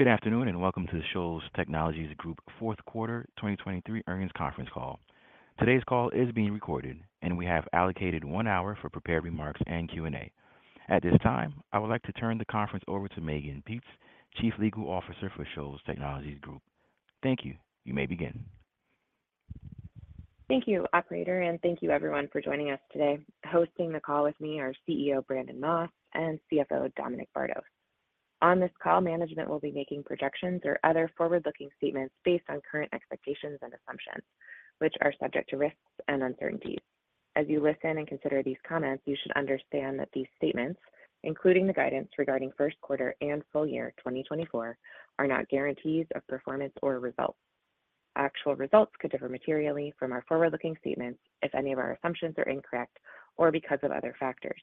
Good afternoon and welcome to the Shoals Technologies Group fourth quarter 2023 earnings conference call. Today's call is being recorded, and we have allocated one hour for prepared remarks and Q&A. At this time, I would like to turn the conference over to Mehgan Peetz, Chief Legal Officer for Shoals Technologies Group. Thank you. You may begin. Thank you, Operator, and thank you, everyone, for joining us today. Hosting the call with me are CEO Brandon Moss and CFO Dominic Bardos. On this call, management will be making projections or other forward-looking statements based on current expectations and assumptions, which are subject to risks and uncertainties. As you listen and consider these comments, you should understand that these statements, including the guidance regarding first quarter and full year 2024, are not guarantees of performance or results. Actual results could differ materially from our forward-looking statements if any of our assumptions are incorrect or because of other factors.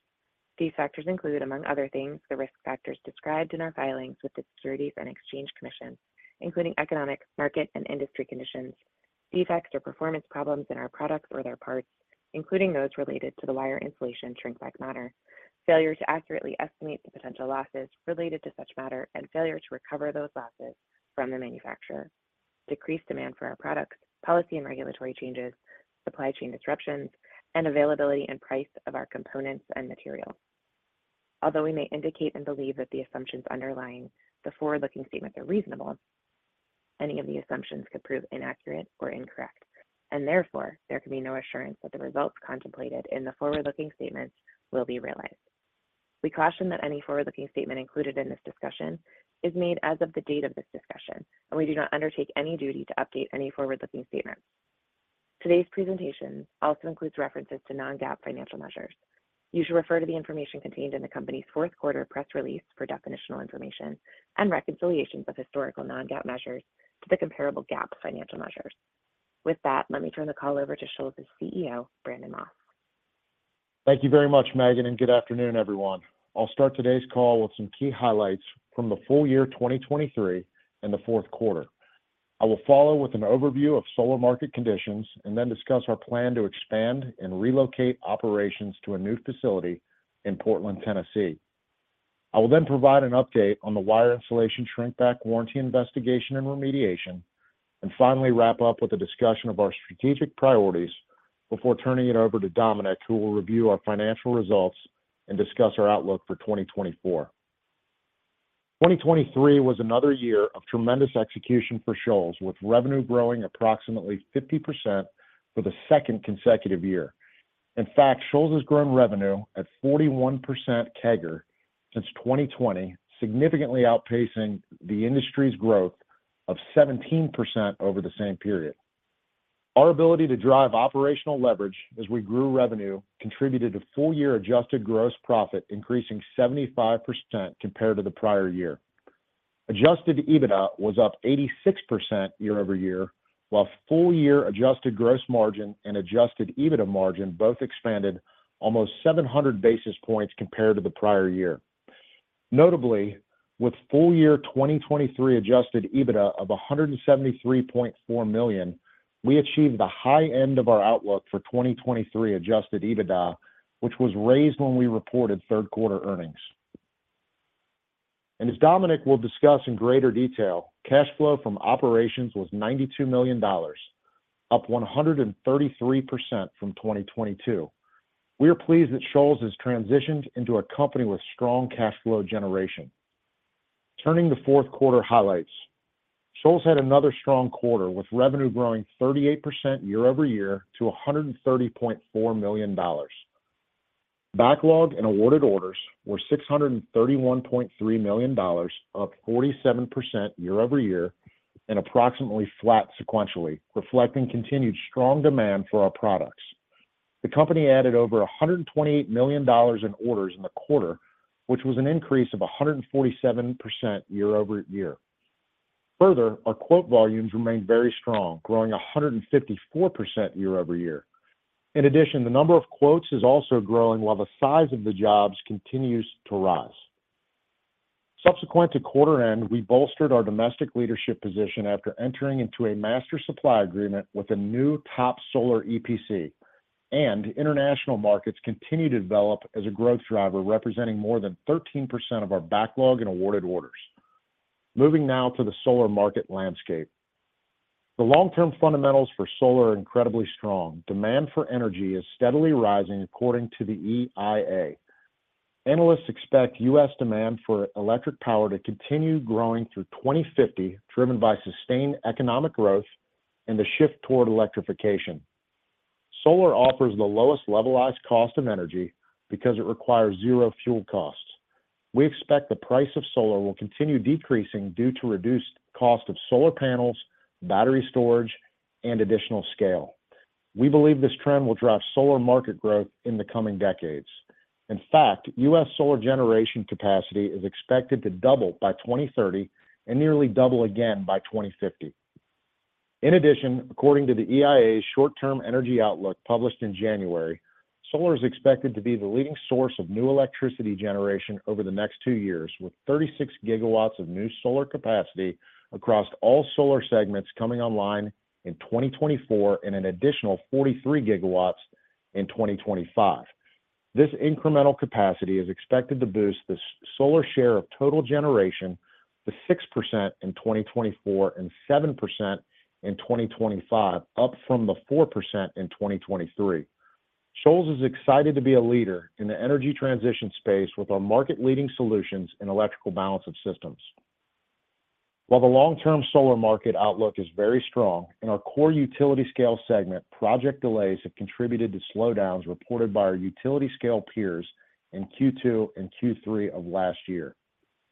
These factors include, among other things, the risk factors described in our filings with the Securities and Exchange Commission, including economic, market, and industry conditions, defects or performance problems in our products or their parts, including those related to the wire insulation shrinkback matter, failure to accurately estimate the potential losses related to such matter, and failure to recover those losses from the manufacturer, decreased demand for our products, policy and regulatory changes, supply chain disruptions, and availability and price of our components and materials. Although we may indicate and believe that the assumptions underlying the forward-looking statements are reasonable, any of the assumptions could prove inaccurate or incorrect, and therefore there can be no assurance that the results contemplated in the forward-looking statements will be realized. We caution that any forward-looking statement included in this discussion is made as of the date of this discussion, and we do not undertake any duty to update any forward-looking statements. Today's presentation also includes references to non-GAAP financial measures. You should refer to the information contained in the company's fourth quarter Press Release for definitional information and reconciliations of historical non-GAAP measures to the comparable GAAP financial measures. With that, let me turn the call over to Shoals' CEO, Brandon Moss. Thank you very much, Mehgan, and good afternoon, everyone. I'll start today's call with some key highlights from the full year 2023 and the fourth quarter. I will follow with an overview of solar market conditions and then discuss our plan to expand and relocate operations to a new facility in Portland, Tennessee. I will then provide an update on the wire insulation shrinkback warranty investigation and remediation, and finally wrap up with a discussion of our strategic priorities before turning it over to Dominic, who will review our financial results and discuss our outlook for 2024. 2023 was another year of tremendous execution for Shoals, with revenue growing approximately 50% for the second consecutive year. In fact, Shoals has grown revenue at 41% CAGR since 2020, significantly outpacing the industry's growth of 17% over the same period. Our ability to drive operational leverage as we grew revenue contributed to full-year adjusted gross profit increasing 75% compared to the prior year. Adjusted EBITDA was up 86% year-over-year, while full-year adjusted gross margin and adjusted EBITDA margin both expanded almost 700 basis points compared to the prior year. Notably, with full-year 2023 adjusted EBITDA of $173.4 million, we achieved the high end of our outlook for 2023 adjusted EBITDA, which was raised when we reported third quarter earnings. As Dominic will discuss in greater detail, cash flow from operations was $92 million, up 133% from 2022. We are pleased that Shoals has transitioned into a company with strong cash flow generation. Turning to fourth quarter highlights, Shoals had another strong quarter, with revenue growing 38% year-over-year to $130.4 million. Backlog and awarded orders were $631.3 million, up 47% year-over-year and approximately flat sequentially, reflecting continued strong demand for our products. The company added over $128 million in orders in the quarter, which was an increase of 147% year-over-year. Further, our quote volumes remained very strong, growing 154% year-over-year. In addition, the number of quotes is also growing, while the size of the jobs continues to rise. Subsequent to quarter end, we bolstered our domestic leadership position after entering into a master supply agreement with a new top solar EPC, and international markets continue to develop as a growth driver, representing more than 13% of our backlog and awarded orders. Moving now to the solar market landscape. The long-term fundamentals for solar are incredibly strong. Demand for energy is steadily rising according to the EIA. Analysts expect U.S. demand for electric power to continue growing through 2050, driven by sustained economic growth and the shift toward electrification. Solar offers the lowest levelized cost of energy because it requires zero fuel costs. We expect the price of solar will continue decreasing due to reduced cost of solar panels, battery storage, and additional scale. We believe this trend will drive solar market growth in the coming decades. In fact, U.S. solar generation capacity is expected to double by 2030 and nearly double again by 2050. In addition, according to the EIA's short-term energy outlook published in January, solar is expected to be the leading source of new electricity generation over the next two years, with 36 gigawatts of new solar capacity across all solar segments coming online in 2024 and an additional 43 gigawatts in 2025. This incremental capacity is expected to boost the solar share of total generation to 6% in 2024 and 7% in 2025, up from the 4% in 2023. Shoals is excited to be a leader in the energy transition space with our market-leading solutions in electrical balance of systems. While the long-term solar market outlook is very strong, in our core utility-scale segment, project delays have contributed to slowdowns reported by our utility-scale peers in Q2 and Q3 of last year.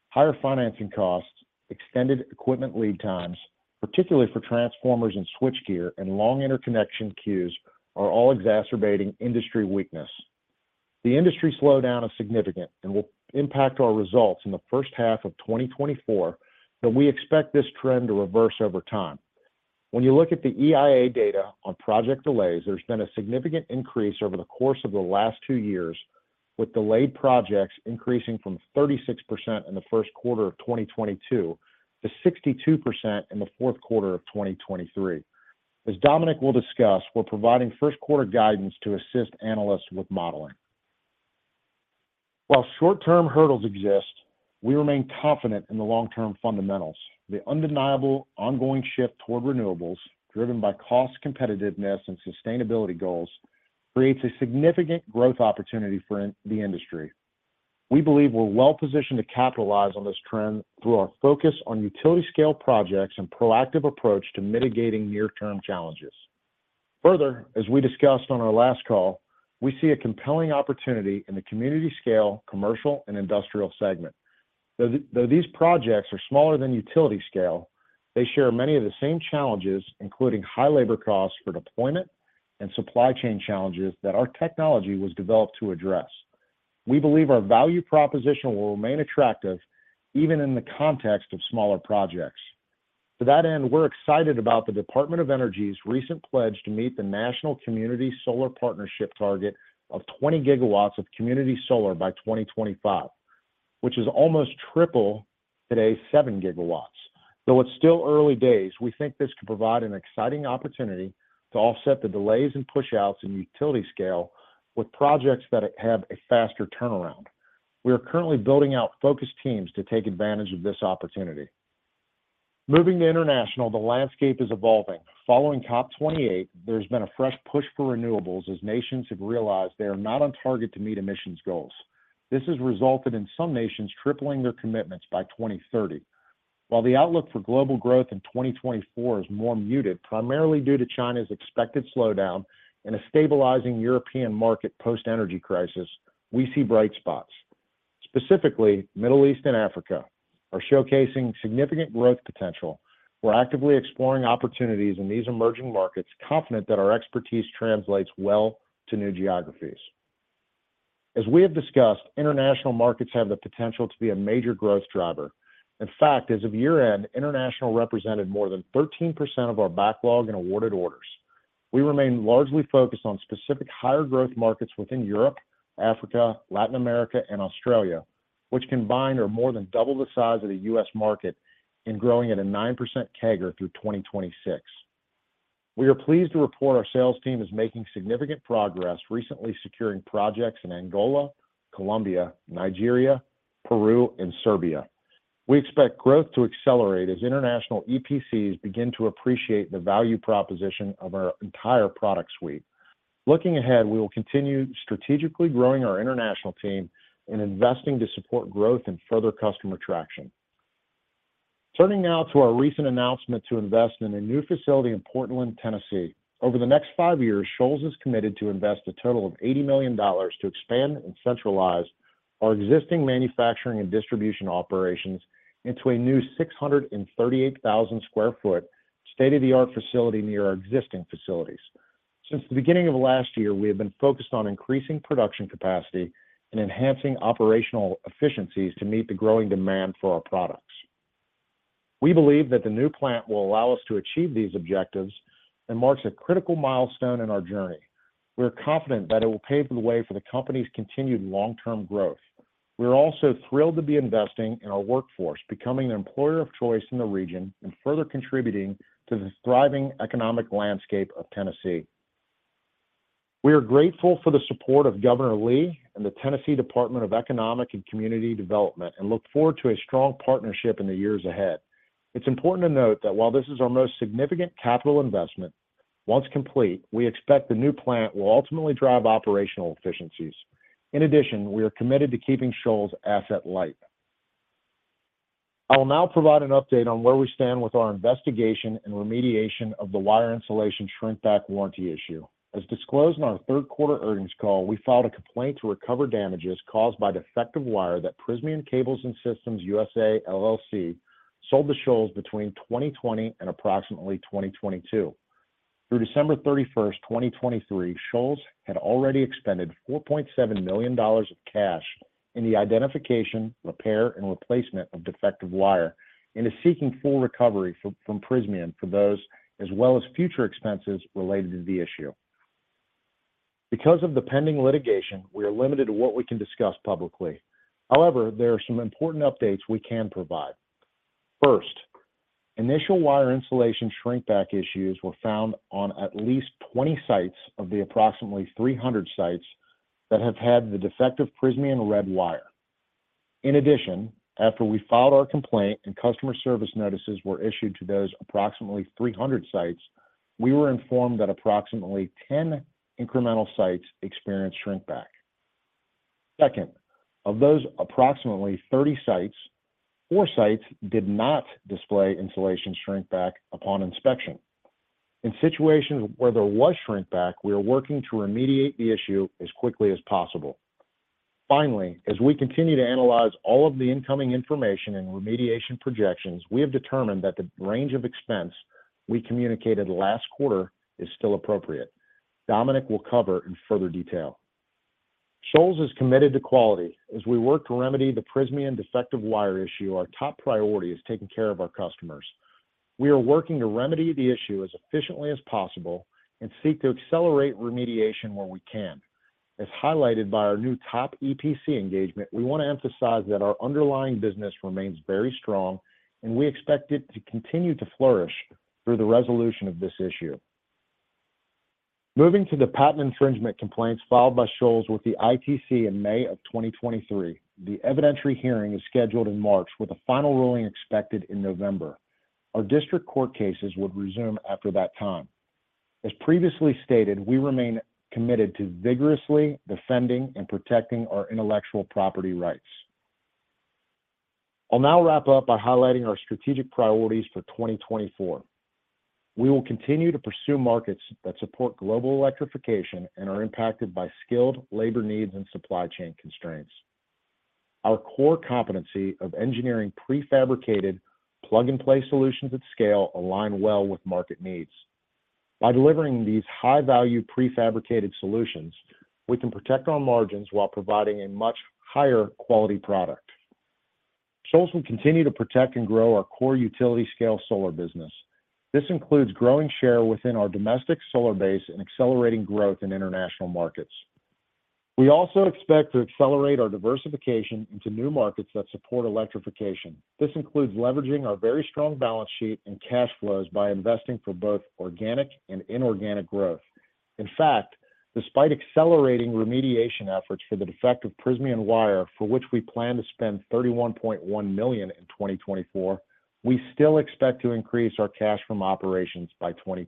Higher financing costs, extended equipment lead times, particularly for transformers and switchgear, and long interconnection queues are all exacerbating industry weakness. The industry slowdown is significant and will impact our results in the first half of 2024, but we expect this trend to reverse over time. When you look at the EIA data on project delays, there's been a significant increase over the course of the last two years, with delayed projects increasing from 36% in the first quarter of 2022 to 62% in the fourth quarter of 2023. As Dominic will discuss, we're providing first-quarter guidance to assist analysts with modeling. While short-term hurdles exist, we remain confident in the long-term fundamentals. The undeniable ongoing shift toward renewables, driven by cost competitiveness and sustainability goals, creates a significant growth opportunity for the industry. We believe we're well-positioned to capitalize on this trend through our focus on utility-scale projects and proactive approach to mitigating near-term challenges. Further, as we discussed on our last call, we see a compelling opportunity in the community-scale, commercial, and industrial segment. Though these projects are smaller than utility-scale, they share many of the same challenges, including high labor costs for deployment and supply chain challenges that our technology was developed to address. We believe our value proposition will remain attractive even in the context of smaller projects. To that end, we're excited about the Department of Energy's recent pledge to meet the National Community Solar Partnership target of 20 GW of community solar by 2025, which is almost triple today's 7 GW. Though it's still early days, we think this could provide an exciting opportunity to offset the delays and push-outs in utility-scale with projects that have a faster turnaround. We are currently building out focused teams to take advantage of this opportunity. Moving to international, the landscape is evolving. Following COP 28, there's been a fresh push for renewables as nations have realized they are not on target to meet emissions goals. This has resulted in some nations tripling their commitments by 2030. While the outlook for global growth in 2024 is more muted, primarily due to China's expected slowdown and a stabilizing European market post-energy crisis, we see bright spots. Specifically, Middle East and Africa are showcasing significant growth potential. We're actively exploring opportunities in these emerging markets, confident that our expertise translates well to new geographies. As we have discussed, international markets have the potential to be a major growth driver. In fact, as of year end, international represented more than 13% of our backlog and awarded orders. We remain largely focused on specific higher-growth markets within Europe, Africa, Latin America, and Australia, which combined are more than double the size of the U.S. market and growing at a 9% CAGR through 2026. We are pleased to report our sales team is making significant progress recently securing projects in Angola, Colombia, Nigeria, Peru, and Serbia. We expect growth to accelerate as international EPCs begin to appreciate the value proposition of our entire product suite. Looking ahead, we will continue strategically growing our international team and investing to support growth and further customer traction. Turning now to our recent announcement to invest in a new facility in Portland, Tennessee. Over the next five years, Shoals is committed to invest a total of $80 million to expand and centralize our existing manufacturing and distribution operations into a new 638,000 sq ft state-of-the-art facility near our existing facilities. Since the beginning of last year, we have been focused on increasing production capacity and enhancing operational efficiencies to meet the growing demand for our products. We believe that the new plant will allow us to achieve these objectives and marks a critical milestone in our journey. We are confident that it will pave the way for the company's continued long-term growth. We are also thrilled to be investing in our workforce, becoming the employer of choice in the region, and further contributing to the thriving economic landscape of Tennessee. We are grateful for the support of Governor Lee and the Tennessee Department of Economic and Community Development and look forward to a strong partnership in the years ahead. It's important to note that while this is our most significant capital investment, once complete, we expect the new plant will ultimately drive operational efficiencies. In addition, we are committed to keeping Shoals asset-light. I will now provide an update on where we stand with our investigation and remediation of the wire insulation shrinkback warranty issue. As disclosed in our third quarter earnings call, we filed a complaint to recover damages caused by defective wire that Prysmian Cables and Systems USA, LLC sold to Shoals between 2020 and approximately 2022. Through December 31st, 2023, Shoals had already expended $4.7 million of cash in the identification, repair, and replacement of defective wire and is seeking full recovery from Prysmian for those as well as future expenses related to the issue. Because of the pending litigation, we are limited to what we can discuss publicly. However, there are some important updates we can provide. First, initial wire insulation shrinkback issues were found on at least 20 sites of the approximately 300 sites that have had the defective Prysmian red wire. In addition, after we filed our complaint and customer service notices were issued to those approximately 300 sites, we were informed that approximately 10 incremental sites experienced shrinkback. Second, of those approximately 30 sites, four sites did not display insulation shrinkback upon inspection. In situations where there was shrinkback, we are working to remediate the issue as quickly as possible. Finally, as we continue to analyze all of the incoming information and remediation projections, we have determined that the range of expense we communicated last quarter is still appropriate. Dominic will cover in further detail. Shoals is committed to quality. As we work to remedy the Prysmian defective wire issue, our top priority is taking care of our customers. We are working to remedy the issue as efficiently as possible and seek to accelerate remediation where we can. As highlighted by our new top EPC engagement, we want to emphasize that our underlying business remains very strong, and we expect it to continue to flourish through the resolution of this issue. Moving to the patent infringement complaints filed by Shoals with the ITC in May of 2023, the evidentiary hearing is scheduled in March, with a final ruling expected in November. Our district court cases would resume after that time. As previously stated, we remain committed to vigorously defending and protecting our intellectual property rights. I'll now wrap up by highlighting our strategic priorities for 2024. We will continue to pursue markets that support global electrification and are impacted by skilled labor needs and supply chain constraints. Our core competency of engineering prefabricated plug-and-play solutions at scale align well with market needs. By delivering these high-value prefabricated solutions, we can protect our margins while providing a much higher quality product. Shoals will continue to protect and grow our core utility-scale solar business. This includes growing share within our domestic solar base and accelerating growth in international markets. We also expect to accelerate our diversification into new markets that support electrification. This includes leveraging our very strong balance sheet and cash flows by investing for both organic and inorganic growth. In fact, despite accelerating remediation efforts for the defective Prysmian wire, for which we plan to spend $31.1 million in 2024, we still expect to increase our cash from operations by 20%.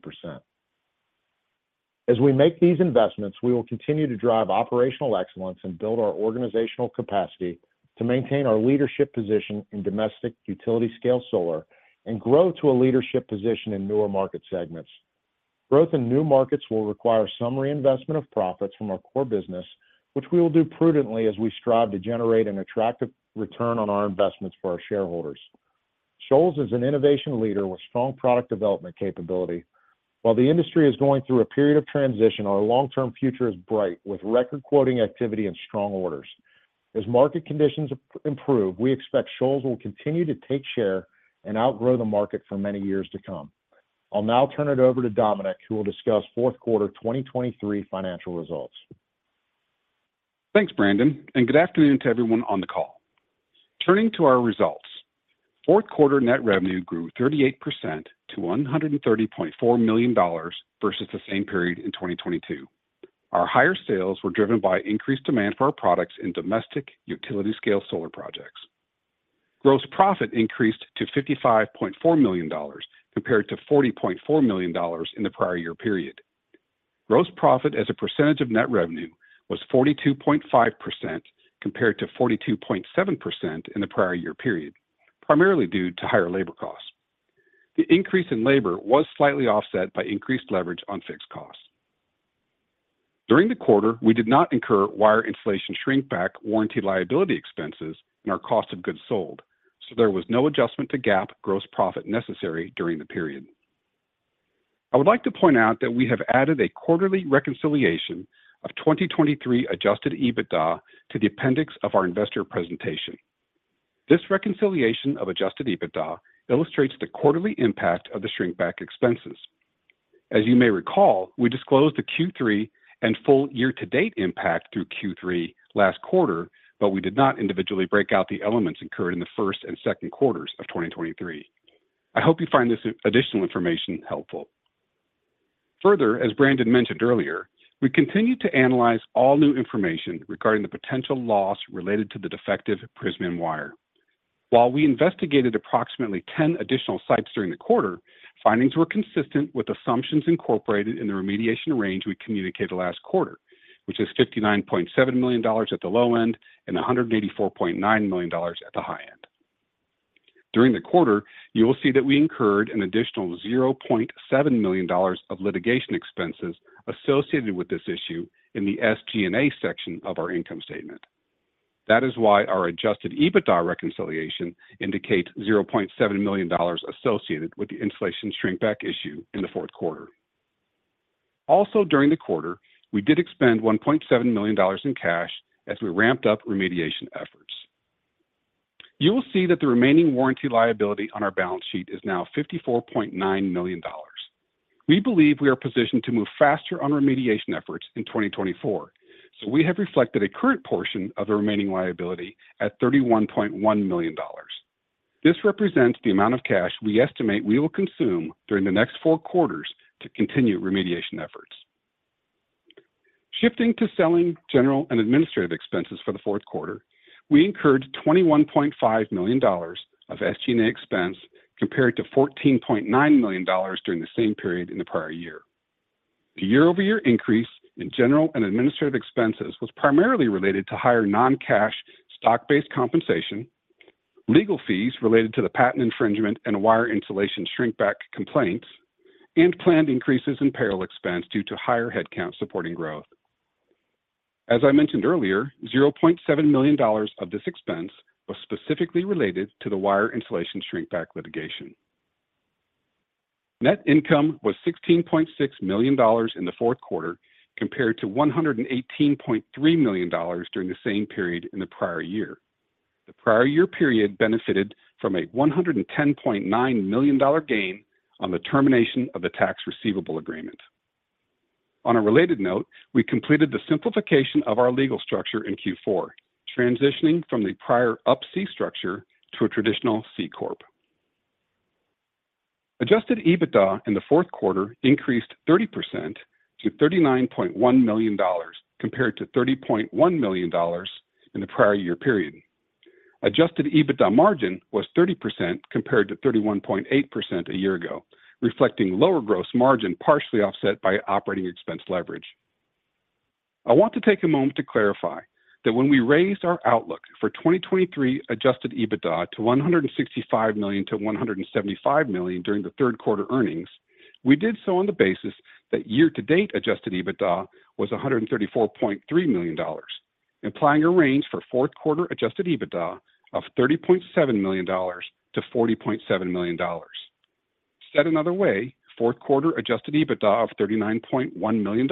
As we make these investments, we will continue to drive operational excellence and build our organizational capacity to maintain our leadership position in domestic utility-scale solar and grow to a leadership position in newer market segments. Growth in new markets will require some reinvestment of profits from our core business, which we will do prudently as we strive to generate an attractive return on our investments for our shareholders. Shoals is an innovation leader with strong product development capability. While the industry is going through a period of transition, our long-term future is bright with record-quoting activity and strong orders. As market conditions improve, we expect Shoals will continue to take share and outgrow the market for many years to come. I'll now turn it over to Dominic, who will discuss fourth quarter 2023 financial results. Thanks, Brandon, and good afternoon to everyone on the call. Turning to our results, fourth quarter net revenue grew 38% to $130.4 million versus the same period in 2022. Our higher sales were driven by increased demand for our products in domestic Utility-Scale Solar projects. Gross profit increased to $55.4 million compared to $40.4 million in the prior year period. Gross profit, as a percentage of net revenue, was 42.5% compared to 42.7% in the prior year period, primarily due to higher labor costs. The increase in labor was slightly offset by increased leverage on fixed costs. During the quarter, we did not incur wire insulation shrinkback warranty liability expenses and our cost of goods sold, so there was no adjustment to GAAP gross profit necessary during the period. I would like to point out that we have added a quarterly reconciliation of 2023 Adjusted EBITDA to the appendix of our investor presentation. This reconciliation of Adjusted EBITDA illustrates the quarterly impact of the shrinkback expenses. As you may recall, we disclosed the Q3 and full year-to-date impact through Q3 last quarter, but we did not individually break out the elements incurred in the first and second quarters of 2023. I hope you find this additional information helpful. Further, as Brandon mentioned earlier, we continue to analyze all new information regarding the potential loss related to the defective Prysmian wire. While we investigated approximately 10 additional sites during the quarter, findings were consistent with assumptions incorporated in the remediation range we communicated last quarter, which is $59.7 million at the low end and $184.9 million at the high end. During the quarter, you will see that we incurred an additional $0.7 million of litigation expenses associated with this issue in the SG&A section of our income statement. That is why our Adjusted EBITDA reconciliation indicates $0.7 million associated with the insulation shrinkback issue in the fourth quarter. Also, during the quarter, we did expend $1.7 million in cash as we ramped up remediation efforts. You will see that the remaining warranty liability on our balance sheet is now $54.9 million. We believe we are positioned to move faster on remediation efforts in 2024, so we have reflected a current portion of the remaining liability at $31.1 million. This represents the amount of cash we estimate we will consume during the next four quarters to continue remediation efforts. Shifting to selling, general, and administrative expenses for the fourth quarter, we incurred $21.5 million of SG&A expense compared to $14.9 million during the same period in the prior year. The year-over-year increase in general and administrative expenses was primarily related to higher non-cash stock-based compensation, legal fees related to the patent infringement and wire insulation shrinkback complaints, and planned increases in payroll expense due to higher headcount supporting growth. As I mentioned earlier, $0.7 million of this expense was specifically related to the wire insulation shrinkback litigation. Net income was $16.6 million in the fourth quarter compared to $118.3 million during the same period in the prior year. The prior year period benefited from a $110.9 million gain on the termination of the tax receivable agreement. On a related note, we completed the simplification of our legal structure in Q4, transitioning from the prior Up-C structure to a traditional C Corp. Adjusted EBITDA in the fourth quarter increased 30% to $39.1 million compared to $30.1 million in the prior year period. Adjusted EBITDA margin was 30% compared to 31.8% a year ago, reflecting lower gross margin partially offset by operating expense leverage. I want to take a moment to clarify that when we raised our outlook for 2023 Adjusted EBITDA to $165 million-$175 million during the third quarter earnings, we did so on the basis that year-to-date Adjusted EBITDA was $134.3 million, implying a range for fourth quarter Adjusted EBITDA of $30.7 million-$40.7 million. Said another way, fourth quarter Adjusted EBITDA of $39.1 million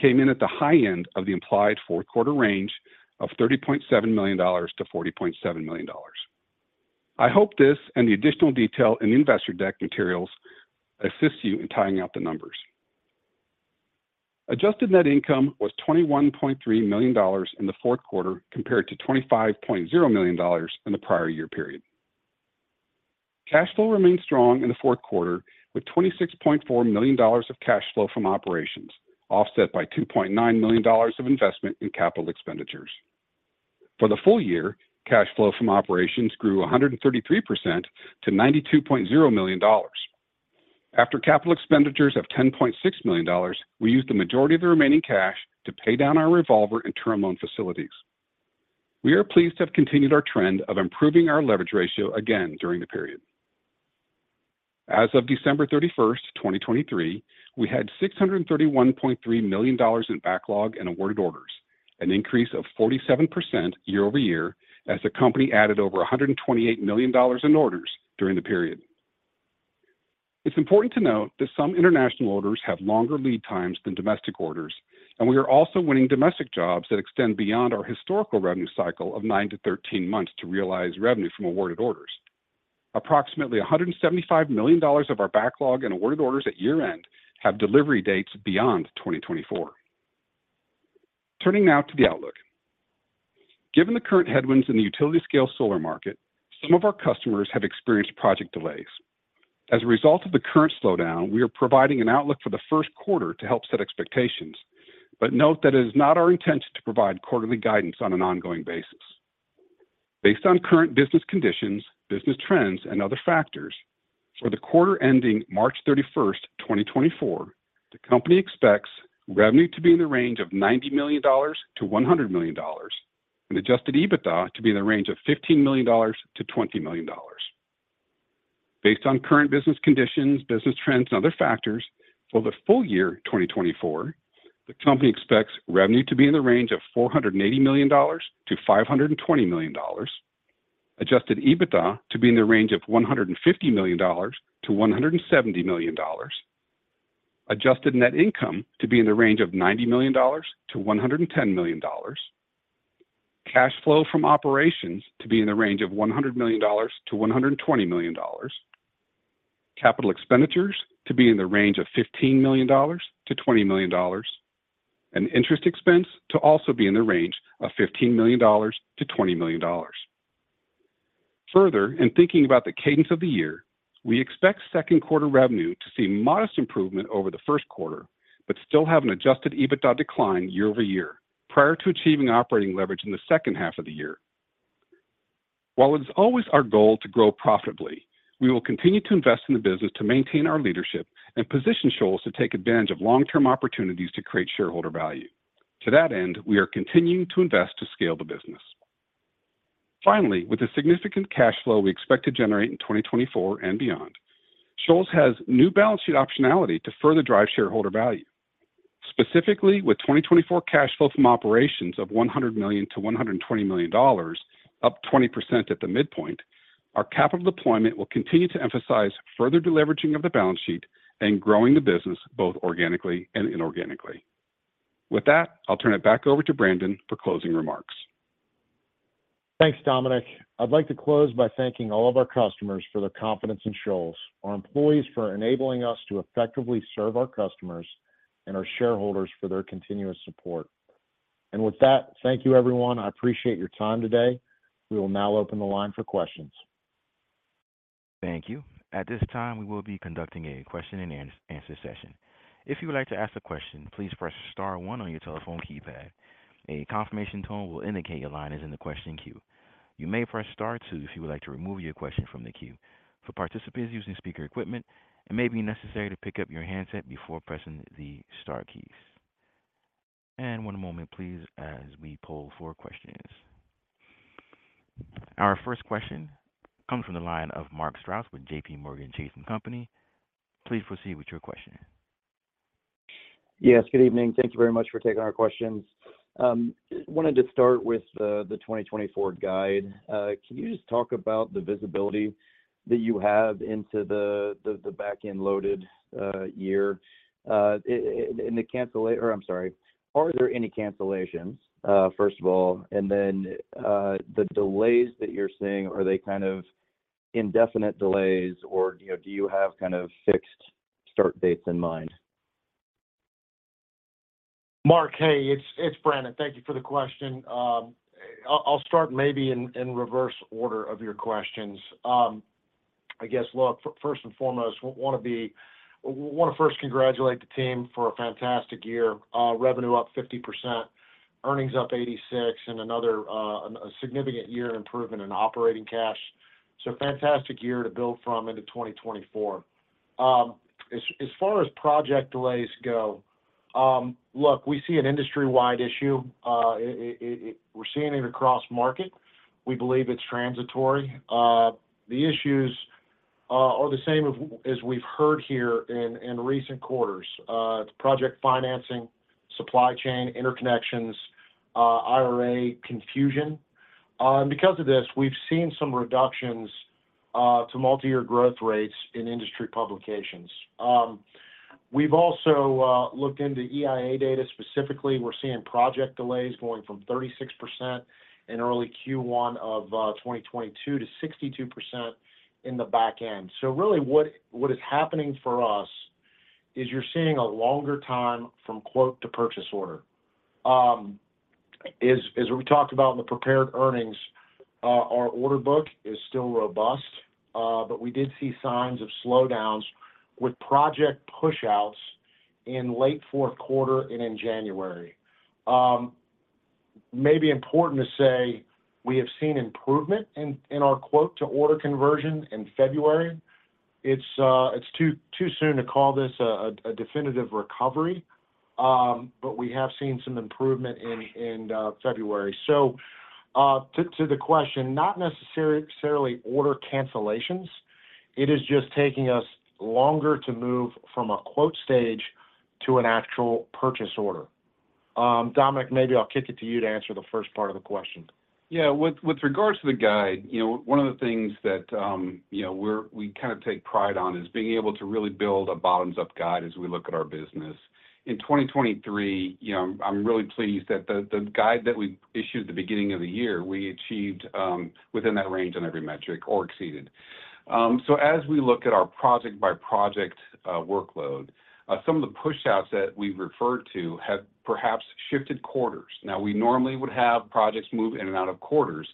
came in at the high end of the implied fourth quarter range of $30.7 million-$40.7 million. I hope this and the additional detail in the investor deck materials assist you in tying out the numbers. Adjusted net income was $21.3 million in the fourth quarter compared to $25.0 million in the prior year period. Cash flow remained strong in the fourth quarter, with $26.4 million of cash flow from operations offset by $2.9 million of investment in capital expenditures. For the full year, cash flow from operations grew 133% to $92.0 million. After capital expenditures of $10.6 million, we used the majority of the remaining cash to pay down our revolver and term loan facilities. We are pleased to have continued our trend of improving our leverage ratio again during the period. As of December 31st, 2023, we had $631.3 million in backlog and awarded orders, an increase of 47% year-over-year as the company added over $128 million in orders during the period. It's important to note that some international orders have longer lead times than domestic orders, and we are also winning domestic jobs that extend beyond our historical revenue cycle of nine to 13 months to realize revenue from awarded orders. Approximately $175 million of our backlog and awarded orders at year-end have delivery dates beyond 2024. Turning now to the outlook. Given the current headwinds in the utility-scale solar market, some of our customers have experienced project delays. As a result of the current slowdown, we are providing an outlook for the first quarter to help set expectations, but note that it is not our intention to provide quarterly guidance on an ongoing basis. Based on current business conditions, business trends, and other factors, for the quarter ending March 31st, 2024, the company expects revenue to be in the range of $90 million-$100 million and Adjusted EBITDA to be in the range of $15 million-$20 million. Based on current business conditions, business trends, and other factors, for the full year 2024, the company expects revenue to be in the range of $480 million-$520 million, Adjusted EBITDA to be in the range of $150 million-$170 million, adjusted net income to be in the range of $90 million-$110 million, cash flow from operations to be in the range of $100 million-$120 million, capital expenditures to be in the range of $15 million-$20 million, and interest expense to also be in the range of $15 million-$20 million. Further, in thinking about the cadence of the year, we expect second quarter revenue to see modest improvement over the first quarter but still have an Adjusted EBITDA decline year-over-year prior to achieving operating leverage in the second half of the year. While it is always our goal to grow profitably, we will continue to invest in the business to maintain our leadership and position Shoals to take advantage of long-term opportunities to create shareholder value. To that end, we are continuing to invest to scale the business. Finally, with the significant cash flow we expect to generate in 2024 and beyond, Shoals has new balance sheet optionality to further drive shareholder value. Specifically, with 2024 cash flow from operations of $100 million-$120 million, up 20% at the midpoint, our capital deployment will continue to emphasize further deleveraging of the balance sheet and growing the business both organically and inorganically. With that, I'll turn it back over to Brandon for closing remarks. Thanks, Dominic. I'd like to close by thanking all of our customers for their confidence in Shoals, our employees for enabling us to effectively serve our customers, and our shareholders for their continuous support. With that, thank you, everyone. I appreciate your time today. We will now open the line for questions. Thank you. At this time, we will be conducting a question-and-answer session. If you would like to ask a question, please press star one on your telephone keypad. A confirmation tone will indicate your line is in the question queue. You may press star two if you would like to remove your question from the queue. For participants using speaker equipment, it may be necessary to pick up your handset before pressing the star keys. One moment, please, as we pull four questions. Our first question comes from the line of Mark Strouse with JPMorgan Chase & Company. Please proceed with your question. Yes, good evening. Thank you very much for taking our questions. I wanted to start with the 2024 guide. Can you just talk about the visibility that you have into the backend-loaded year? And the cancellation or I'm sorry. Are there any cancellations, first of all? And then the delays that you're seeing, are they kind of indefinite delays, or do you have kind of fixed start dates in mind? Mark, hey, it's Brandon. Thank you for the question. I'll start maybe in reverse order of your questions. I guess, look, first and foremost, I want to first congratulate the team for a fantastic year. Revenue up 50%, earnings up 86%, and another significant year of improvement in operating cash. So fantastic year to build from into 2024. As far as project delays go, look, we see an industry-wide issue. We're seeing it across market. We believe it's transitory. The issues are the same as we've heard here in recent quarters: project financing, supply chain, interconnections, IRA confusion. And because of this, we've seen some reductions to multi-year growth rates in industry publications. We've also looked into EIA data specifically. We're seeing project delays going from 36% in early Q1 of 2022 to 62% in the backend. So really, what is happening for us is you're seeing a longer time from quote to purchase order. As we talked about in the prepared earnings, our order book is still robust, but we did see signs of slowdowns with project pushouts in late fourth quarter and in January. Maybe important to say, we have seen improvement in our quote-to-order conversion in February. It's too soon to call this a definitive recovery, but we have seen some improvement in February. So to the question, not necessarily order cancellations. It is just taking us longer to move from a "stage" to an actual purchase order. Dominic, maybe I'll kick it to you to answer the first part of the question. Yeah. With regards to the guide, one of the things that we kind of take pride on is being able to really build a bottoms-up guide as we look at our business. In 2023, I'm really pleased that the guide that we issued at the beginning of the year, we achieved within that range on every metric or exceeded. So as we look at our project-by-project workload, some of the pushouts that we've referred to have perhaps shifted quarters. Now, we normally would have projects move in and out of quarters,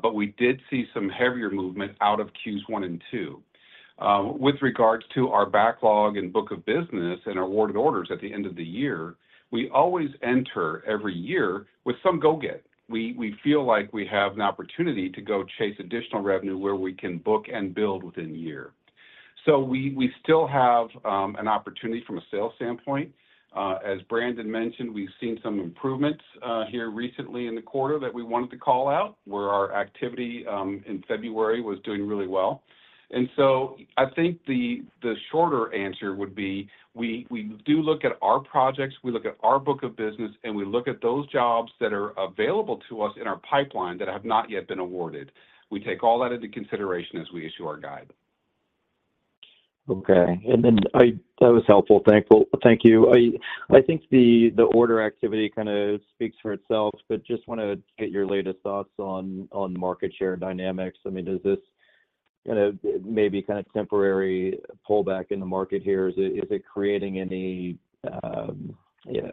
but we did see some heavier movement out of Q1 and Q2. With regards to our backlog and book of business and awarded orders at the end of the year, we always enter every year with some go-get. We feel like we have an opportunity to go chase additional revenue where we can book and build within the year. So we still have an opportunity from a sales standpoint. As Brandon mentioned, we've seen some improvements here recently in the quarter that we wanted to call out, where our activity in February was doing really well. And so I think the shorter answer would be, we do look at our projects, we look at our book of business, and we look at those jobs that are available to us in our pipeline that have not yet been awarded. We take all that into consideration as we issue our guide. Okay. And then that was helpful. Thank you. I think the order activity kind of speaks for itself, but just want to get your latest thoughts on market share dynamics. I mean, is this maybe kind of temporary pullback in the market here? Is it creating any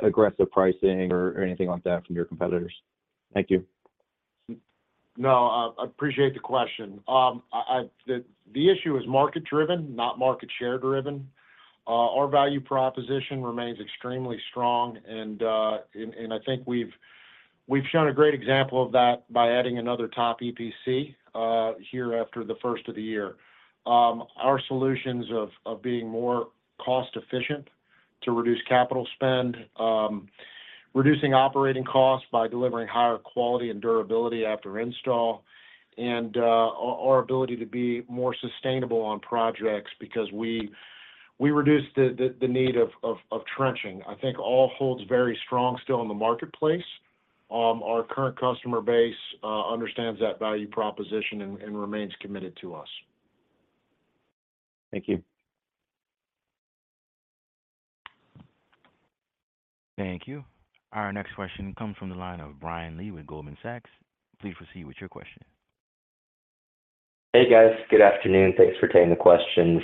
aggressive pricing or anything like that from your competitors? Thank you. No, I appreciate the question. The issue is market-driven, not market share-driven. Our value proposition remains extremely strong, and I think we've shown a great example of that by adding another top EPC here after the first of the year. Our solutions of being more cost-efficient to reduce capital spend, reducing operating costs by delivering higher quality and durability after install, and our ability to be more sustainable on projects because we reduce the need of trenching, I think all holds very strong still in the marketplace. Our current customer base understands that value proposition and remains committed to us. Thank you. Thank you. Our next question comes from the line of Brian Lee with Goldman Sachs. Please proceed with your question. Hey, guys. Good afternoon. Thanks for taking the questions.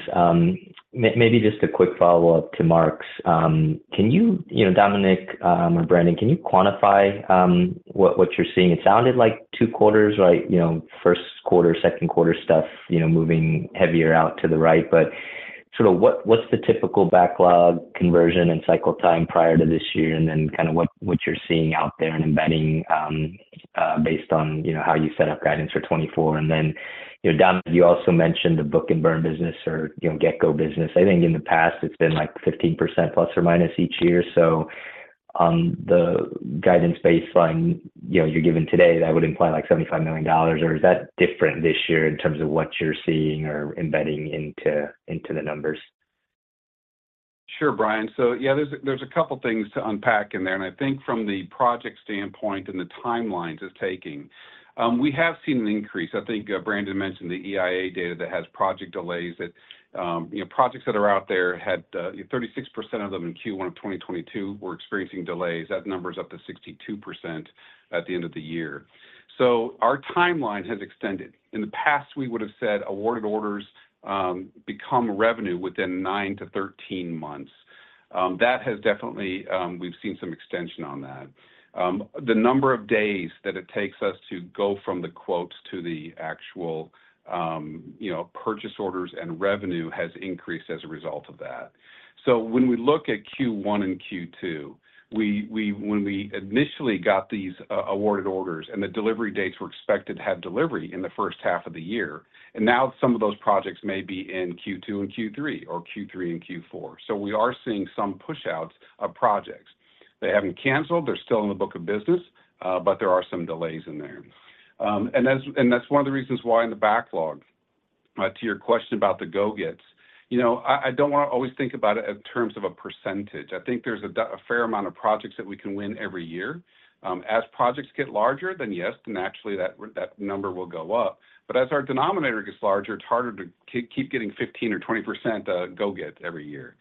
Maybe just a quick follow-up to Mark's. Dominic or Brandon, can you quantify what you're seeing? It sounded like two quarters, right? First quarter, second quarter stuff moving heavier out to the right. But sort of what's the typical backlog conversion and cycle time prior to this year, and then kind of what you're seeing out there and embedding based on how you set up guidance for 2024? And then, Dominic, you also mentioned the book-and-burn business or get-go business. I think in the past, it's been 15%+- each year. So on the guidance baseline you're given today, that would imply $75 million. Or is that different this year in terms of what you're seeing or embedding into the numbers? Sure, Brian. So yeah, there's a couple of things to unpack in there. And I think from the project standpoint and the timelines it's taking, we have seen an increase. I think Brandon mentioned the EIA data that has project delays. Projects that are out there had 36% of them in Q1 of 2022 were experiencing delays. That number is up to 62% at the end of the year. So our timeline has extended. In the past, we would have said awarded orders become revenue within nine to 13 months. We've seen some extension on that. The number of days that it takes us to go from the quote to the actual purchase orders and revenue" has increased as a result of that. So when we look at Q1 and Q2, when we initially got these awarded orders and the delivery dates were expected to have delivery in the first half of the year, and now some of those projects may be in Q2 and Q3 or Q3 and Q4. So we are seeing some pushouts of projects. They haven't canceled. They're still in the book of business, but there are some delays in there. And that's one of the reasons why in the backlog, to your question about the go-gets, I don't want to always think about it in terms of a percentage. I think there's a fair amount of projects that we can win every year. As projects get larger, then yes, then actually that number will go up. But as our denominator gets larger, it's harder to keep getting 15% or 20% go-get every year.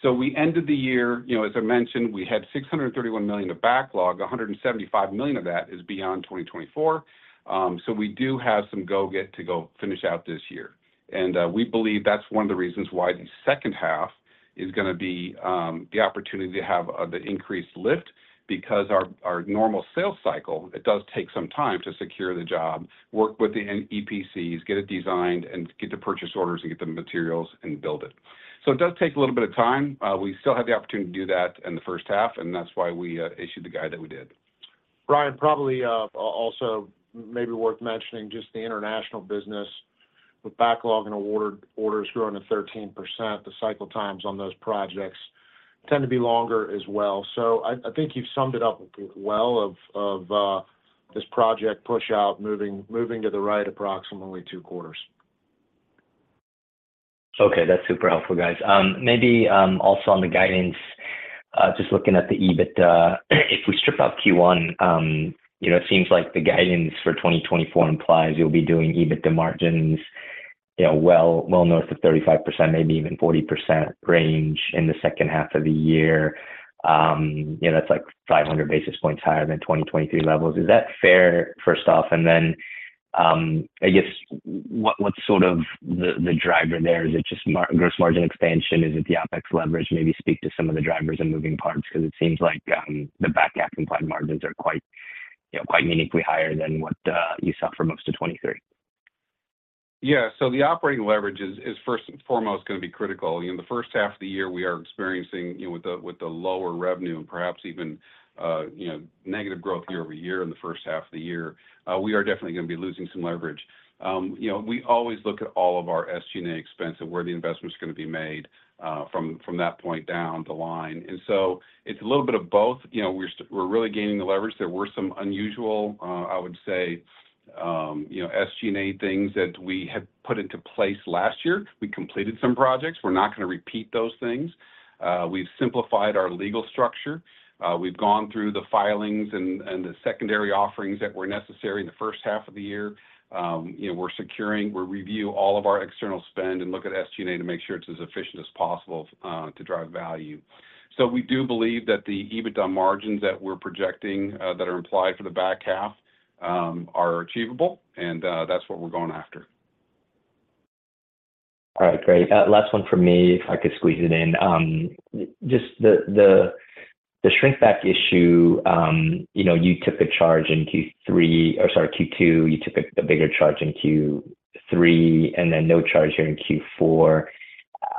So we ended the year, as I mentioned, we had $631 million of backlog. $175 million of that is beyond 2024. So we do have some go-get to go finish out this year. And we believe that's one of the reasons why the second half is going to be the opportunity to have the increased lift because our normal sales cycle, it does take some time to secure the job, work with the EPCs, get it designed, and get the purchase orders and get the materials and build it. So it does take a little bit of time. We still have the opportunity to do that in the first half, and that's why we issued the guide that we did. Brian, probably also maybe worth mentioning just the international business with Backlog and Awarded Orders growing to 13%. The cycle times on those projects tend to be longer as well. So I think you've summed it up well of this project pushout moving to the right approximately two quarters. Okay. That's super helpful, guys. Maybe also on the guidance, just looking at the EBITDA, if we strip out Q1, it seems like the guidance for 2024 implies you'll be doing EBITDA margins well north of 35%, maybe even 40% range in the second half of the year. That's 500 basis points higher than 2023 levels. Is that fair, first off? And then I guess what's sort of the driver there? Is it just gross margin expansion? Is it the OpEx leverage? Maybe speak to some of the drivers and moving parts because it seems like the back half implied margins are quite meaningfully higher than what you saw for most of 2023. Yeah. So the operating leverage is, first and foremost, going to be critical. In the first half of the year, we are experiencing with the lower revenue and perhaps even negative growth year-over-year in the first half of the year, we are definitely going to be losing some leverage. We always look at all of our SG&A expense and where the investment is going to be made from that point down the line. And so it's a little bit of both. We're really gaining the leverage. There were some unusual, I would say, SG&A things that we had put into place last year. We completed some projects. We're not going to repeat those things. We've simplified our legal structure. We've gone through the filings and the secondary offerings that were necessary in the first half of the year. We're reviewing all of our external spend and look at SG&A to make sure it's as efficient as possible to drive value. So we do believe that the EBIT on margins that we're projecting that are implied for the back half are achievable, and that's what we're going after. All right. Great. Last one from me, if I could squeeze it in. Just the Shrinkback issue, you took a charge in Q3 or sorry, Q2. You took a bigger charge in Q3 and then no charge here in Q4,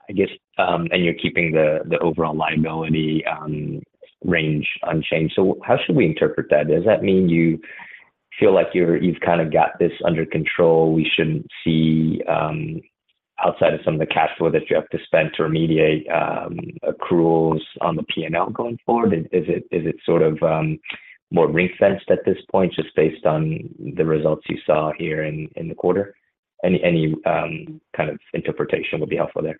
I guess, and you're keeping the overall liability range unchanged. So how should we interpret that? Does that mean you feel like you've kind of got this under control? We shouldn't see outside of some of the cash flow that you have to spend to remediate accruals on the P&L going forward? Is it sort of more ring-fenced at this point just based on the results you saw here in the quarter? Any kind of interpretation would be helpful there.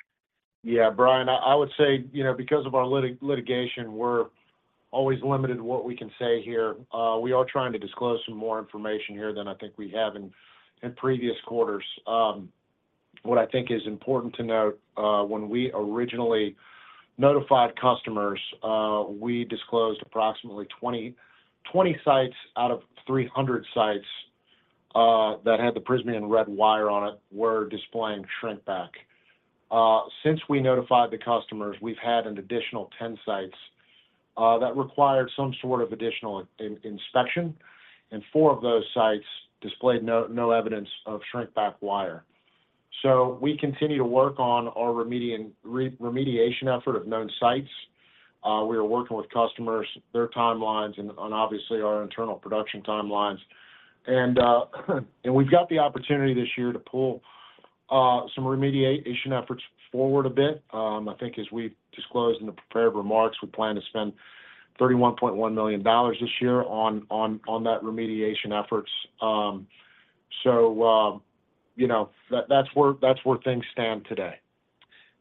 Yeah, Brian. I would say because of our litigation, we're always limited to what we can say here. We are trying to disclose some more information here than I think we have in previous quarters. What I think is important to note, when we originally notified customers, we disclosed approximately 20 sites out of 300 sites that had the Prysmian red wire on it were displaying Shrinkback. Since we notified the customers, we've had an additional 10 sites that required some sort of additional inspection, and four of those sites displayed no evidence of Shrinkback wire. So we continue to work on our remediation effort of known sites. We are working with customers, their timelines, and obviously our internal production timelines. And we've got the opportunity this year to pull some remediation efforts forward a bit. I think as we've disclosed in the prepared remarks, we plan to spend $31.1 million this year on that remediation efforts. That's where things stand today.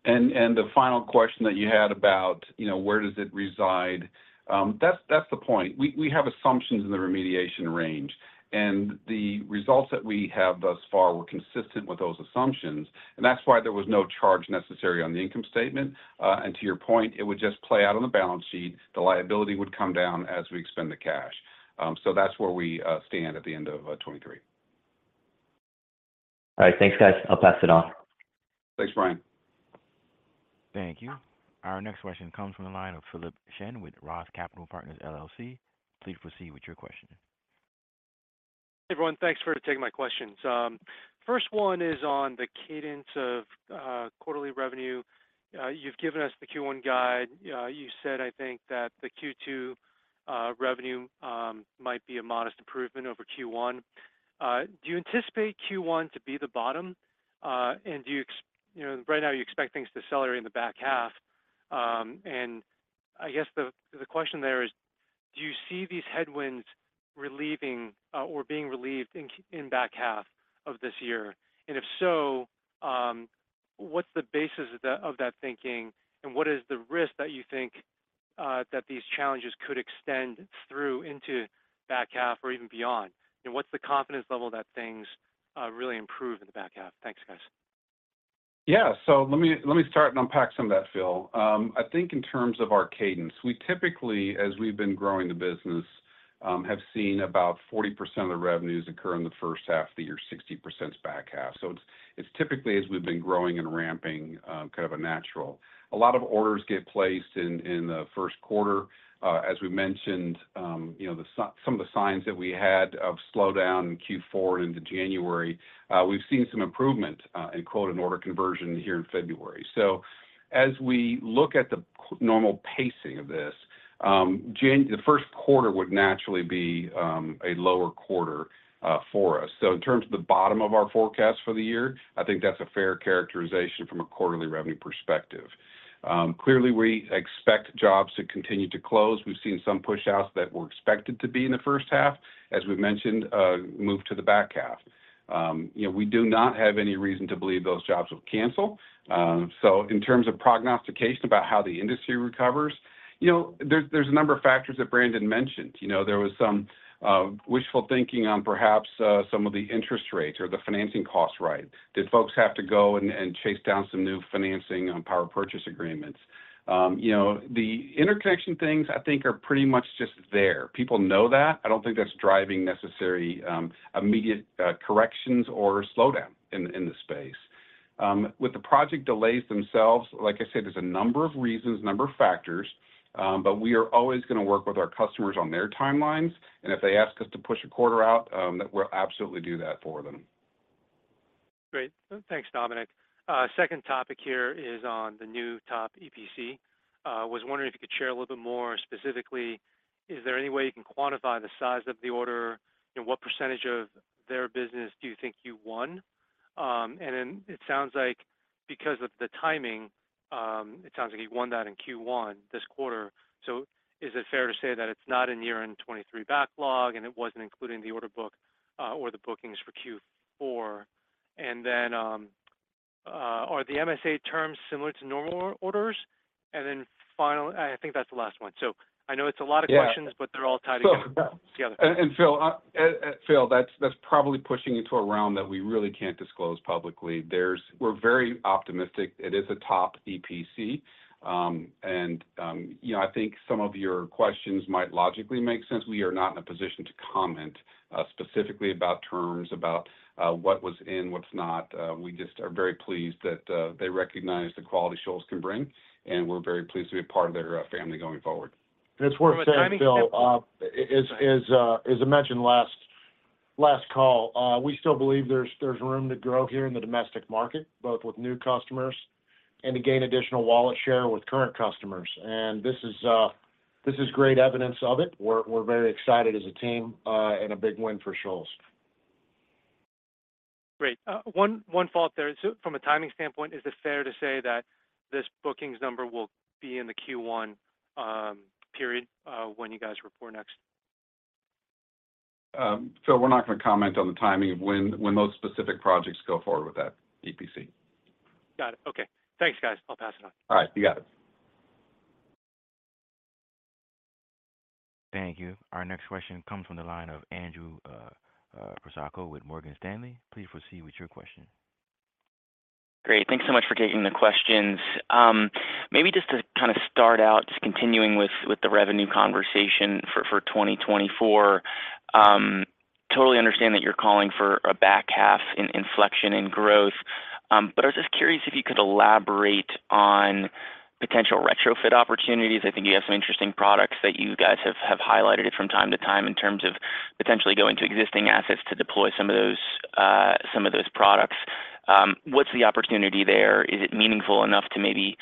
The final question that you had about where does it reside, that's the point. We have assumptions in the remediation range, and the results that we have thus far were consistent with those assumptions. That's why there was no charge necessary on the income statement. To your point, it would just play out on the balance sheet. The liability would come down as we expend the cash. That's where we stand at the end of 2023. All right. Thanks, guys. I'll pass it on. Thanks, Brian. Thank you. Our next question comes from the line of Philip Shen with Roth Capital Partners, LLC. Please proceed with your question. Hey, everyone. Thanks for taking my questions. First one is on the cadence of quarterly revenue. You've given us the Q1 guide. You said, I think, that the Q2 revenue might be a modest improvement over Q1. Do you anticipate Q1 to be the bottom? And right now, you expect things to accelerate in the back half. And I guess the question there is, do you see these headwinds relieving or being relieved in back half of this year? And if so, what's the basis of that thinking, and what is the risk that you think that these challenges could extend through into back half or even beyond? What's the confidence level that things really improve in the back half? Thanks, guys. Yeah. So let me start and unpack some of that, Phil. I think in terms of our cadence, we typically, as we've been growing the business, have seen about 40% of the revenues occur in the first half of the year, 60% is back half. So it's typically as we've been growing and ramping kind of a natural. A lot of orders get placed in the first quarter. As we mentioned, some of the signs that we had of slowdown in Q4 and into January, we've seen some improvement in quote-unquote "an order conversion" here in February. So as we look at the normal pacing of this, the first quarter would naturally be a lower quarter for us. So in terms of the bottom of our forecast for the year, I think that's a fair characterization from a quarterly revenue perspective. Clearly, we expect jobs to continue to close. We've seen some pushouts that were expected to be in the first half, as we mentioned, move to the back half. We do not have any reason to believe those jobs will cancel. So in terms of prognostication about how the industry recovers, there's a number of factors that Brandon mentioned. There was some wishful thinking on perhaps some of the interest rates or the financing costs right. Did folks have to go and chase down some new financing on power purchase agreements? The interconnection things, I think, are pretty much just there. People know that. I don't think that's driving necessary immediate corrections or slowdown in the space. With the project delays themselves, like I said, there's a number of reasons, a number of factors. But we are always going to work with our customers on their timelines. If they ask us to push a quarter out, we'll absolutely do that for them. Great. Thanks, Dominic. Second topic here is on the new top EPC. I was wondering if you could share a little bit more specifically, is there any way you can quantify the size of the order? What percentage of their business do you think you won? And then it sounds like because of the timing, it sounds like you won that in Q1 this quarter. So is it fair to say that it's not in year-end 2023 backlog, and it wasn't including the order book or the bookings for Q4? And then are the MSA terms similar to normal orders? And then finally, I think that's the last one. So I know it's a lot of questions, but they're all tied together. Phil, that's probably pushing into a realm that we really can't disclose publicly. We're very optimistic. It is a top EPC. I think some of your questions might logically make sense. We are not in a position to comment specifically about terms, about what was in, what's not. We just are very pleased that they recognize the quality Shoals can bring, and we're very pleased to be a part of their family going forward. It's worth saying, Phil, as I mentioned last call, we still believe there's room to grow here in the domestic market, both with new customers and to gain additional wallet share with current customers. This is great evidence of it. We're very excited as a team and a big win for Shoals. Great. One fault there. From a timing standpoint, is it fair to say that this bookings number will be in the Q1 period when you guys report next? Phil, we're not going to comment on the timing of when those specific projects go forward with that EPC. Got it. Okay. Thanks, guys. I'll pass it on. All right. You got it. Thank you. Our next question comes from the line of Andrew Percoco with Morgan Stanley. Please proceed with your question. Great. Thanks so much for taking the questions. Maybe just to kind of start out, just continuing with the revenue conversation for 2024, totally understand that you're calling for a back half in inflection and growth. But I was just curious if you could elaborate on potential retrofit opportunities. I think you have some interesting products that you guys have highlighted it from time to time in terms of potentially going to existing assets to deploy some of those products. What's the opportunity there? Is it meaningful enough to maybe